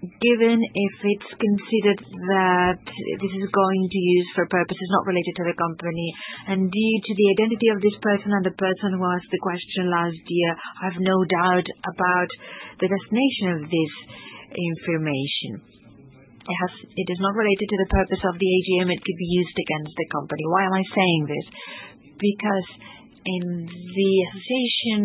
Given If it's considered that this is going to use for purposes not related to the company and due to the identity of this person and the person who has asked the question last year. I have no doubt about the destination of this information. It is not related to the purpose of the AGM. It could be used against the company. Why am I saying this? Because in the association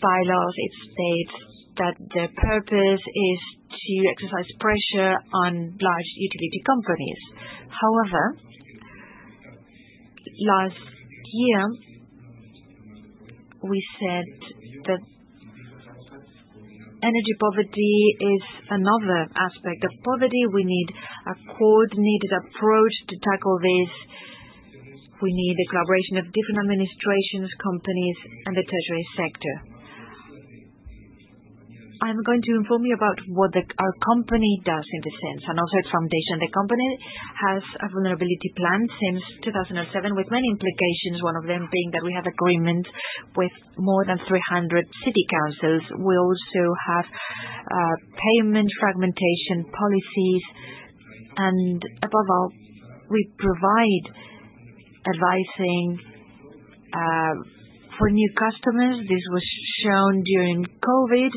bylaws it states that the purpose is to exercise pressure on large utility companies. However, last year we said that energy poverty is another aspect of poverty. We need a coordinated approach to tackle this. We need the collaboration of different administrations, companies and the tertiary sector. I'm going to inform you about what our company does in the sense and also its foundation, the company. The company has a vulnerability plan since 2007 with many implications. One of them being that we have agreements with more than 300 city councils. We also have payment fragmentation policies and above all we provide advising for new customers. This was shown during COVID.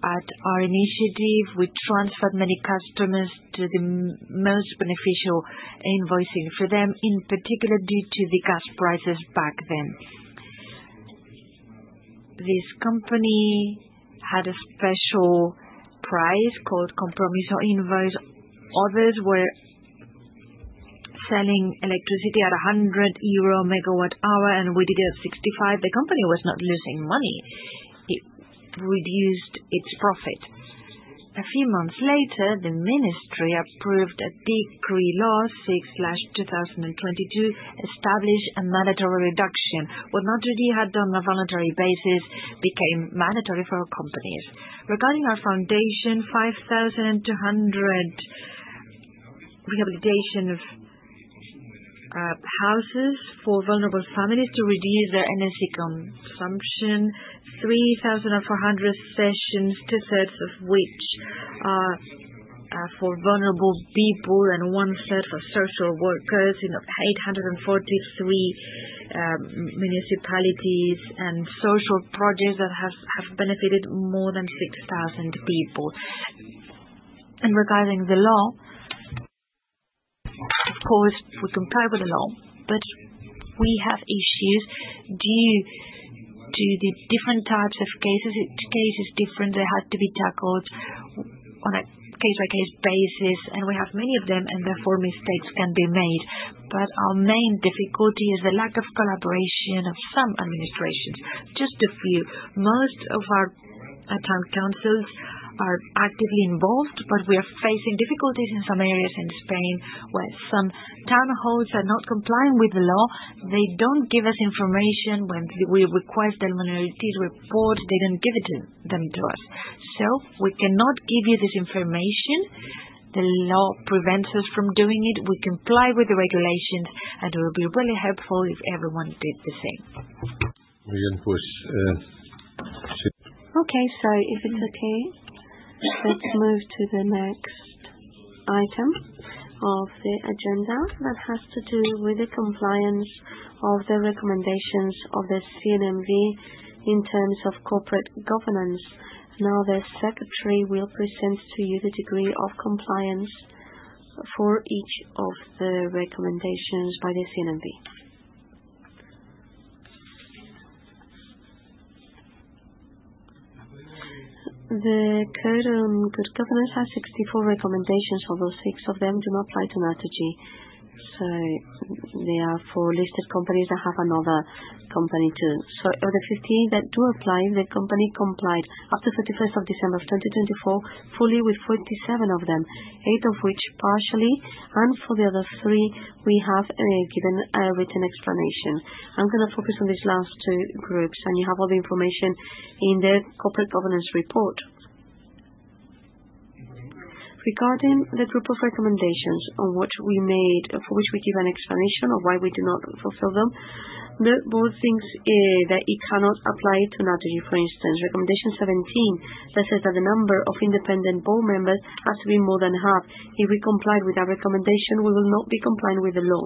At our initiative, we transferred many customers to the most beneficial invoicing for them. In particular, due to the gas prices back then, this company had a special price called compromiso invoice. Others were selling electricity at 100 euro per MWh and we did at 65. The company was not losing money, it reduced its profit. A few months later, the Ministry approved a Decree Law 6/2022 established a mandatory reduction. What Naturgy had done on a voluntary basis became mandatory for companies. Regarding our foundation, 5,200 rehabilitation of houses for vulnerable families to reduce their energy consumption, 3,400 sessions, 2/3 of which are for vulnerable people and 1/3 for social workers in 843 municipalities and social projects that have benefited more than 6,000 people. Regarding the law, of course we comply with the law, but we have issues due to the different types of cases. Each case is different. They had to be tackled on a case by case basis and we have many of them and therefore mistakes can be made. Our main difficulty is the lack of collaboration of some administrations, just a few. Most of our cases, town councils are actively involved, but we are facing difficulties in some areas. In Spain, where some town halls are not complying with the law, they do not give us information When we request the minorities report, they don't give it to us. So we cannot give you this information. The law prevents us from doing it. We comply with the regulations and it would be really helpful if everyone did the same. Okay, so if it's okay, let's move To the next item of the agenda that has to do with the compliance of the recommendations of the CNMV in terms of corporate governance. Now the Secretary will present to you the degree of compliance for each of the recommendations by the CNMV. The Code on Good Governance has 64 recommendations, although six of them do not apply to Naturgy. They are for listed companies that have another company too. Of the 58 that do apply, the company complied after 31st December 2024, fully, with 47 of them, eight of which partially. For the other three we have given a written explanation. I'm going to focus on these last two groups and you have all the information in the corporate governance report. Regarding the group of recommendations on what we made, for which we give an explanation of why we do not fulfill them. The board thinks that it cannot apply to Naturgy. For instance, recommendation 17, that says that the number of independent board members has to be more than half. If we comply with that recommendation, we will not be compliant with the law.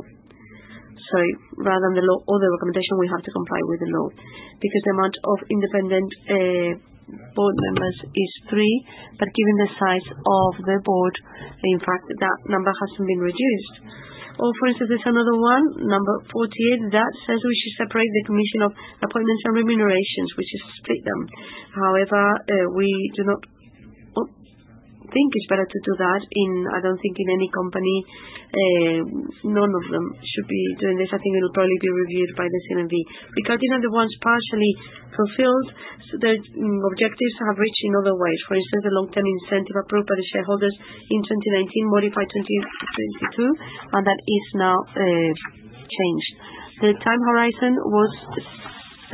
Rather than the law or the recommendation, we have to comply with the law because the amount of independent board members is three. Given the size of the board, in fact that number has not been reduced. For instance, there is another one, number 48, that says we should separate the commission of appointments and remunerations, which is to split them. However, we do not think it is better to do that. I do not think in any company none of them should be doing this. I think it will probably be reviewed by the CNMV. Regarding the ones partially fulfilled; their objectives have been reached in other ways. For instance, the long term incentive approved by the shareholders in 2019, modified 2022 and that is now changed, the time horizon was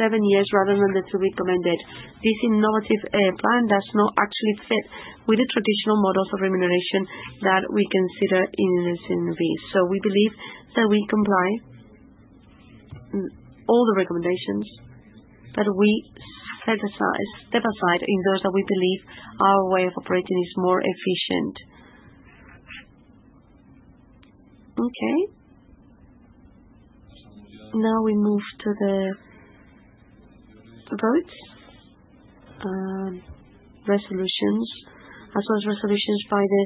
seven years rather than the to be commended. This innovative plan does not actually fit with the traditional models of remuneration that we consider innocent vis, so we believe that we comply all the recommendations that we step aside in those that we believe our way of operating is more efficient. Okay, now we move to the votes, resolutions as well as resolutions by the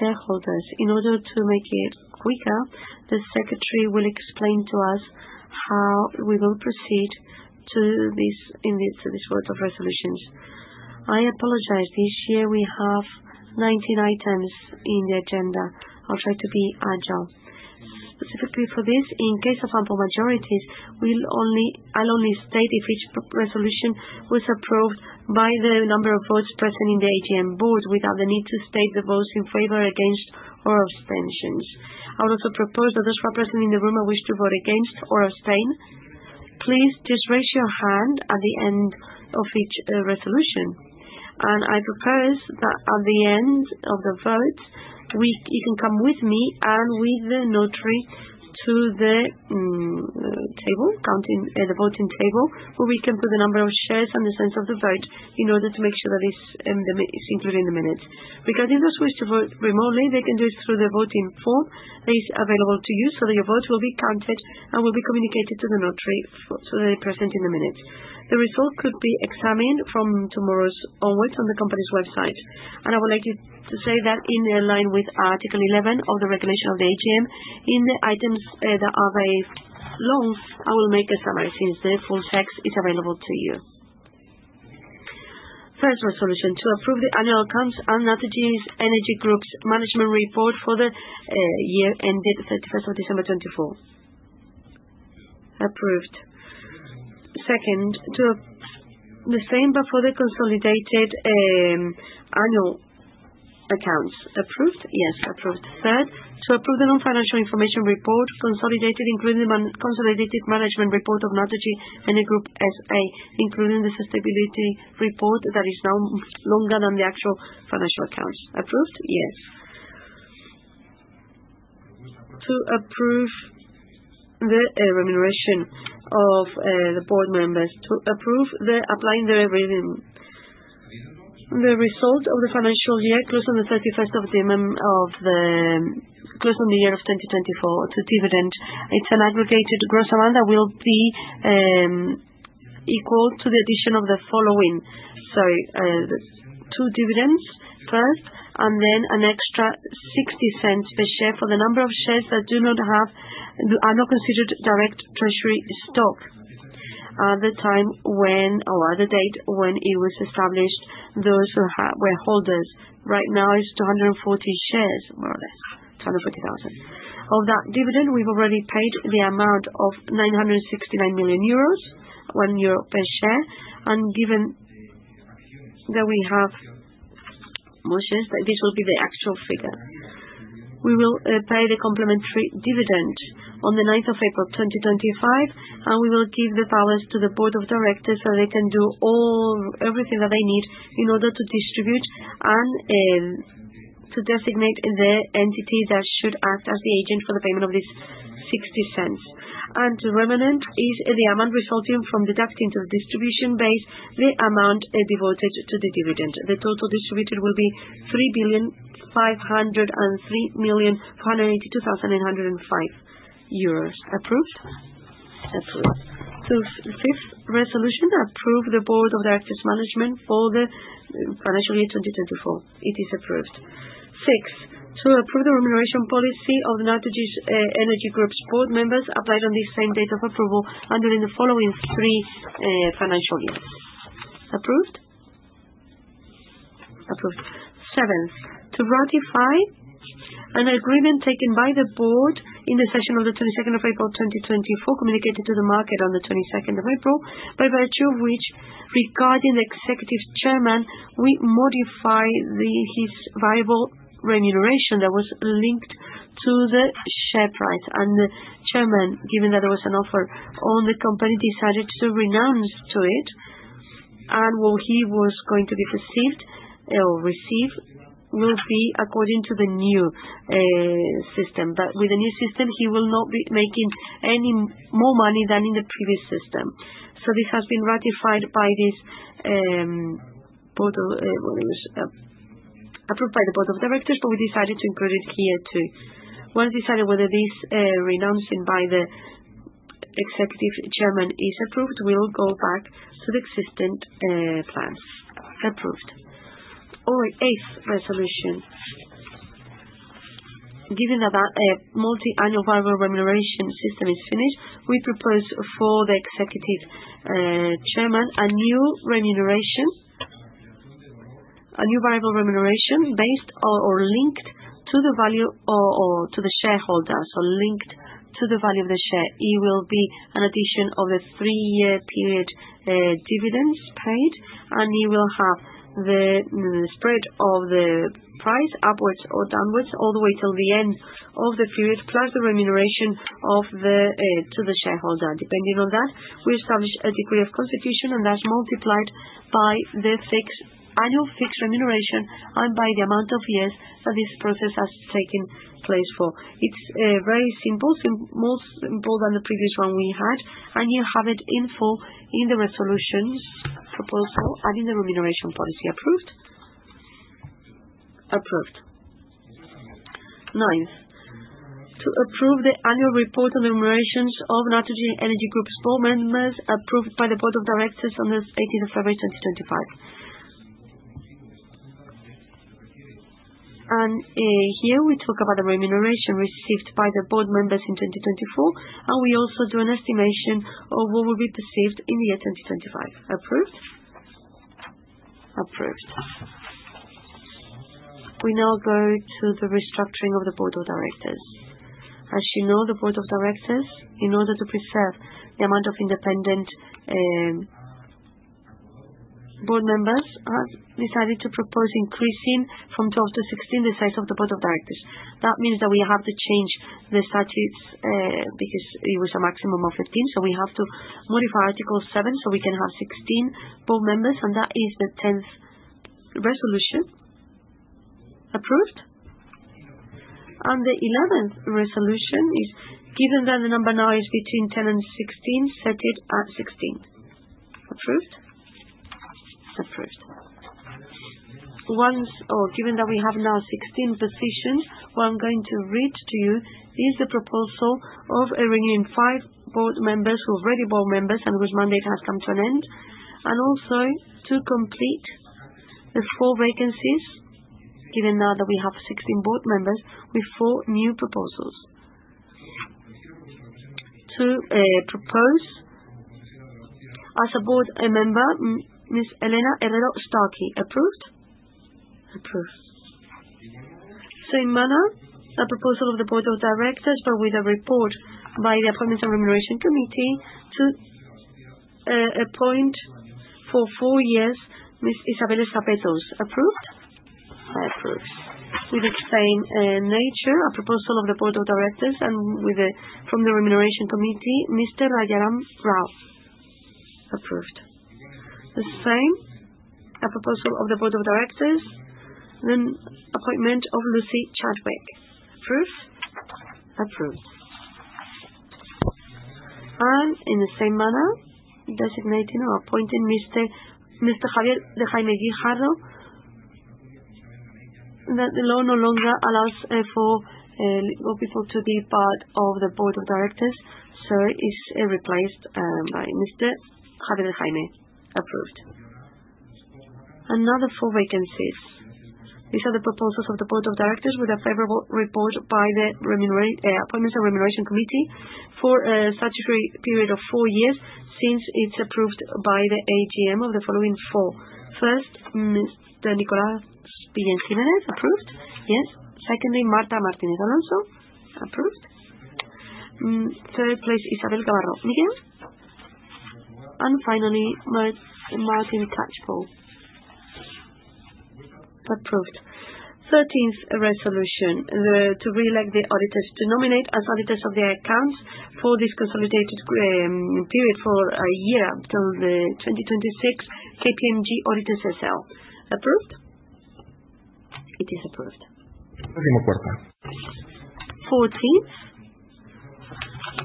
shareholders. In order to make it quicker, the Secretary will explain to us how we will proceed to this vote of resolutions. I apologize. This year we have 19 items in the agenda. I'll try to be agile. Specifically for this, in case of ample majorities, I'll only state if each resolution was approved by the number of votes present in the AGM Board without the need to state the votes in favor, against, or abstentions. I would also propose that those who are present in the room and wish to vote against or abstain, please just raise your hand at the end of each resolution. I propose that at the end of the vote you can come with me and with the notary to the voting table where we can put the number of shares and the center of the vote in order to make sure that it's included in the minutes. Regarding those who wish to vote remotely, they can do it through the voting form that is available to you so that your votes will be counted and will be communicated to the notary present in the minutes. The result could be examined from tomorrow onwards on the company's website and I would like to say that in line with Article 11 of the Regulation of the AGM in the items that are based loans I will make a summary since the full text is available to you. First resolution to approve the annual accounts are Naturgy Energy Group's Management Report for the year ended 31st December 2024 approved. Second, to the same but for the consolidated annual accounts. Approved? Yes. Approved. Third, to approve the non-financial information report consolidated including the consolidated management report of Naturgy Energy Group S.A. including the sustainability report that is now longer than the actual financial accounts. Approved? Yes. To approve the remuneration of the board members, to approve the applying the result of the financial year close on the 31st of December close on the year of 2024. To dividend, it's an aggregated gross amount that will be equal to the addition of the following. Two dividends first, and then an extra 0.60 per share for the number of shares that are not considered direct treasury stock at the time when or at the date when it was established. Those who were holders right now, it's 240 shares, more or less 240,000 of that dividend. We've already paid the amount of 969 million euros, 1 euro per share. Given that we have, this will be the actual figure. We will pay the complementary dividend on the 9th of April 2025 and we will give the balance to the Board of Directors so they can do everything that they need in order to distribute and to designate the entity that should act as the agent for the payment of this 0.60 and to remnant is the amount resulting from deducting to the distribution base the amount devoted to the dividend. The total distributed will be EUR 3,503,482,805. Approved? Approved. Fifth resolution, approve the Board of Directors management for the financial year 2024. It is approved. Six, to approve the remuneration policy of the Naturgy Energy Group's board members applied on the same date of approval and during the following three financial years. Approved? Approved. Seventh, to ratify an agreement taken by the Board in the session of 22nd of April 2024 communicated to the market on 22nd of April, by virtue of which regarding the Executive Chairman, we modified his variable remuneration that was linked to the share price and the Chairman, given that there was an offer on the company, decided to renounce to it. What he was going to be perceived or received will be according to the new system. With the new system he will not be making any more money than in the previous system. This has been ratified by, approved by the Board of Directors, but we decided to include it here too. Once decided whether this renouncing by the Executive Chairman is approved, we will go back to the existing plans. Approved. Over to 8th resolution. Given that a multi annual variable remuneration system is finished, we propose for the Executive Chairman a new remuneration, a new variable remuneration based or linked to the value or to the shareholder. Linked to the value of the share, it will be an addition of a three-year period dividends paid and you will have the spread of the price upwards or downwards all the way till the end of the period, plus the remuneration to the shareholder. Depending on that we establish a decree of constitution and that's multiplied by the annual fixed remuneration and by the amount of years that this process has taken place for. It's very simple. Simple, more simple than the previous one we had. You have it in full in the resolutions, proposal, and in the remuneration policy. Approved? Approved. Ninth, to approve the annual report on remunerations of Naturgy Energy Group's board members approved by the Board of Directors on 18th of February 2020. Here we talk about the remuneration received by the board members in 2024. We also do an estimation of what will be perceived in the year 2025. Approved? Approved. We now go to the restructuring of the Board of Directors. As you know, the Board of Directors, in order to preserve the amount of board members, have decided to propose increasing from 12 to 16 the size of the Board of Directors. That means that we have to change the statutes because it was a maximum of 15. We have to modify Article 7 so we can have 16 board members. That is the 10th resolution. Approved? The 11th resolution is given that the number lies between 10 and 16. Set it at 16. Approved? Approved once or given that we have now 16 positions. What I'm going to read to you is the proposal of arranging five board members who are already board members and whose mandate has come to an end. Also to complete the four vacancies given now that we have 16 board members with four new proposals. To propose as a board a member, Ms. Elena Elero Starkey. Approved? Approved. In manner a proposal of the Board of Directors but with a report by the Appointments and Remuneration Committee to appoint for four years Ms. Isabela Zapetos. Approved? I approve. With the same nature a proposal of the Board of Directors and with the from the remuneration committee Mr. Rajaram Rao. Approved. The same a proposal of the Board of Directors the appointment of Lucy Chadwick. Approved? Approved. In the same manner, the designating or appointing of Mr. Javier de Jaime Guijarro, that the law no longer allows for all people to be part of the Board of Directors, so is replaced by Mr. Javier de Jaime. Approved. Another four vacancies. These are the proposals of the Board of Directors with a favorable report by the Appointments and Remuneration Committee for a statutory period of four years. Since it is approved by the AGM of the following four. First, Mr. Nicolas Spilancire. Approved? Yes. Secondly, Marta Martinez Alonso. Approved. Third place, Isabel Navarro Miguel. And finally, Martin Catchpole. Approved. Thirteenth resolution, to re-elect the auditors, to nominate as auditors of their accounts for this consolidated period for a year until 2026, KPMG Auditors S.L. Approved? It is approved. Fourteenth,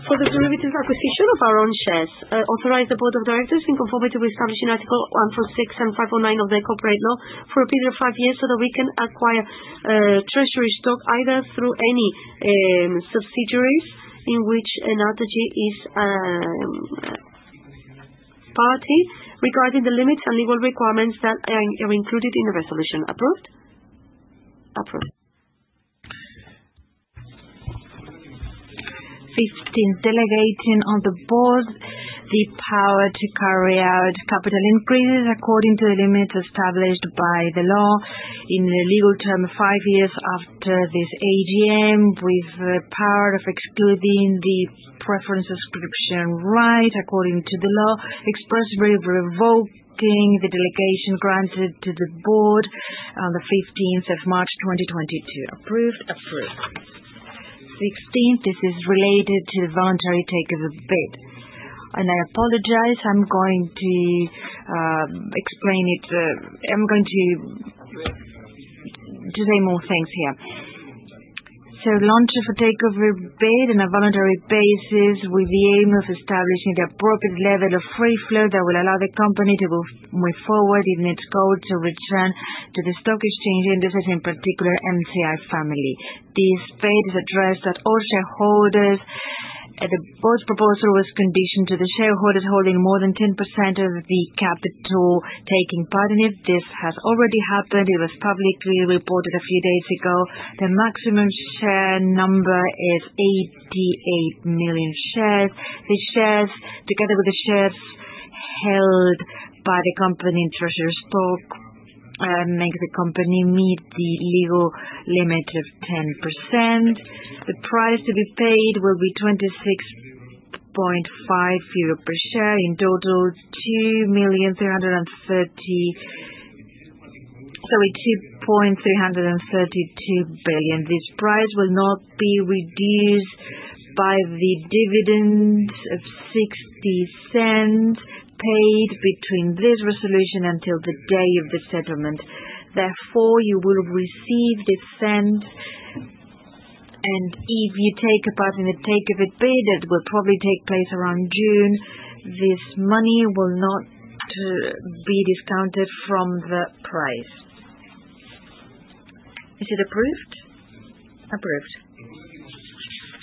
For the derivative acquisition of our own shares, authorize the Board of Directors in conformity with establishing Article 146 and 549 of the Corporate Law for a period of five years so that we can acquire treasury stock either through any subsidiaries in which an attache is party regarding the limits and legal requirements that are included in the resolution. Approved? Approved. 15, Delegating on the board the power to carry out capital increases according to the limits established by the law in the legal term five years after this AGM with the power of excluding the preference subscription right according to the law, expressively revoking the delegation granted to the board on 15th of March 2022. Approved? Approved. 16. This is related to the voluntary tax of a bid and I apologize. I'm going to explain it. I'm going to say more things here. So Launch of a takeover bid on a voluntary basis with the aim of establishing the appropriate level of free float that will allow the company to move forward in its goal to return to the stock exchange indices, in particular MCI family. This fate is addressed at all shareholders. The Board's proposal was conditioned to the shareholders holding more than 10% of the capital taking part in it. This has already happened. It was publicly reported a few days ago. The maximum share number is 88 million shares. These shares together with the shares held by the company treasury stock make the company meet the legal limit of 10%. The price to be paid will be EUR 26.5 per share, in total 2,332,000,000. This price will not be reduced by the dividend of 0.66 paid between this resolution until the day of the settlement. Therefore, you will receive this cent and if you take a part in the take of it bid that will probably take place around June, this money will not be discounted from the price. Is it approved? Approved.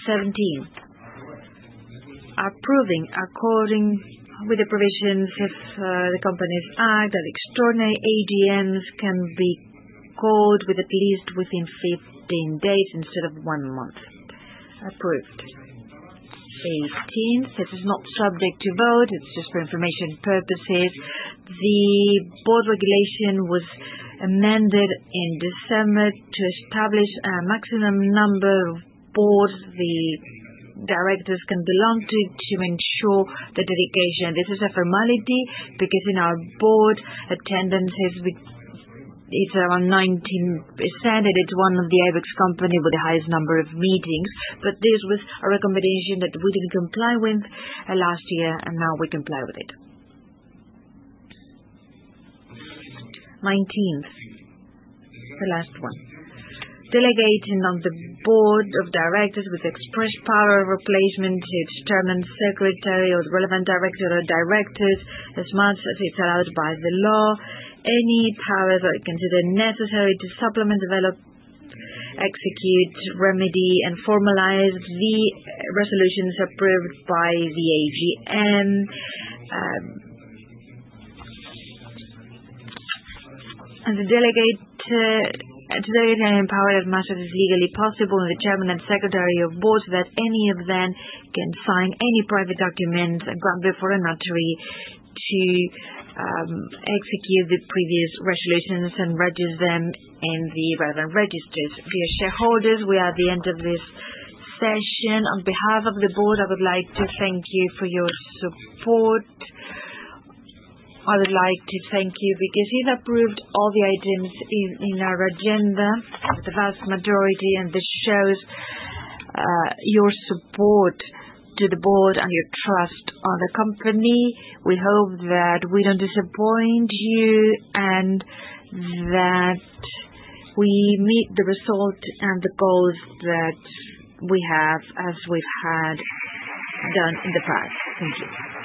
Seventeen. Are proving according with the provisions of the company's act that extraordinary AGMs can be called with at least within 15 days instead of one month. Approved. 18. This is not subject to vote, it's just for information purposes. The Board regulation was amended in December to establish a maximum number of boards the directors can belong to to ensure the dedication. This is a formality because in our board attendances it's around 19% and it's one of the IBEX companies with the highest number of meetings. This was a recommendation that we didn't comply with last year and now we comply with it. 19th, the last one. Delegating on the Board of Directors with express power replacement to determine Secretary or relevant Director or Directors as much as it's allowed by the law, any powers are considered necessary to supplement, develop, execute, remedy, and formalize the resolutions approved by the AGM. Empowered as much as is legally possible, the Chairman and Secretary of Board that any of them can sign any private documents granted for a notary to execute the previous resolutions and register them in the relevant registers. Dear shareholders, we are at the end of the session. On behalf of the Board, I would like to thank you for your support. I would like to thank you because you've approved all the items in our agenda, the vast majority, and this shows your support to the Board and your trust on the company. We hope that we don't disappoint you and that we meet the result and the goals that we have, as we had done in the past. Thank you.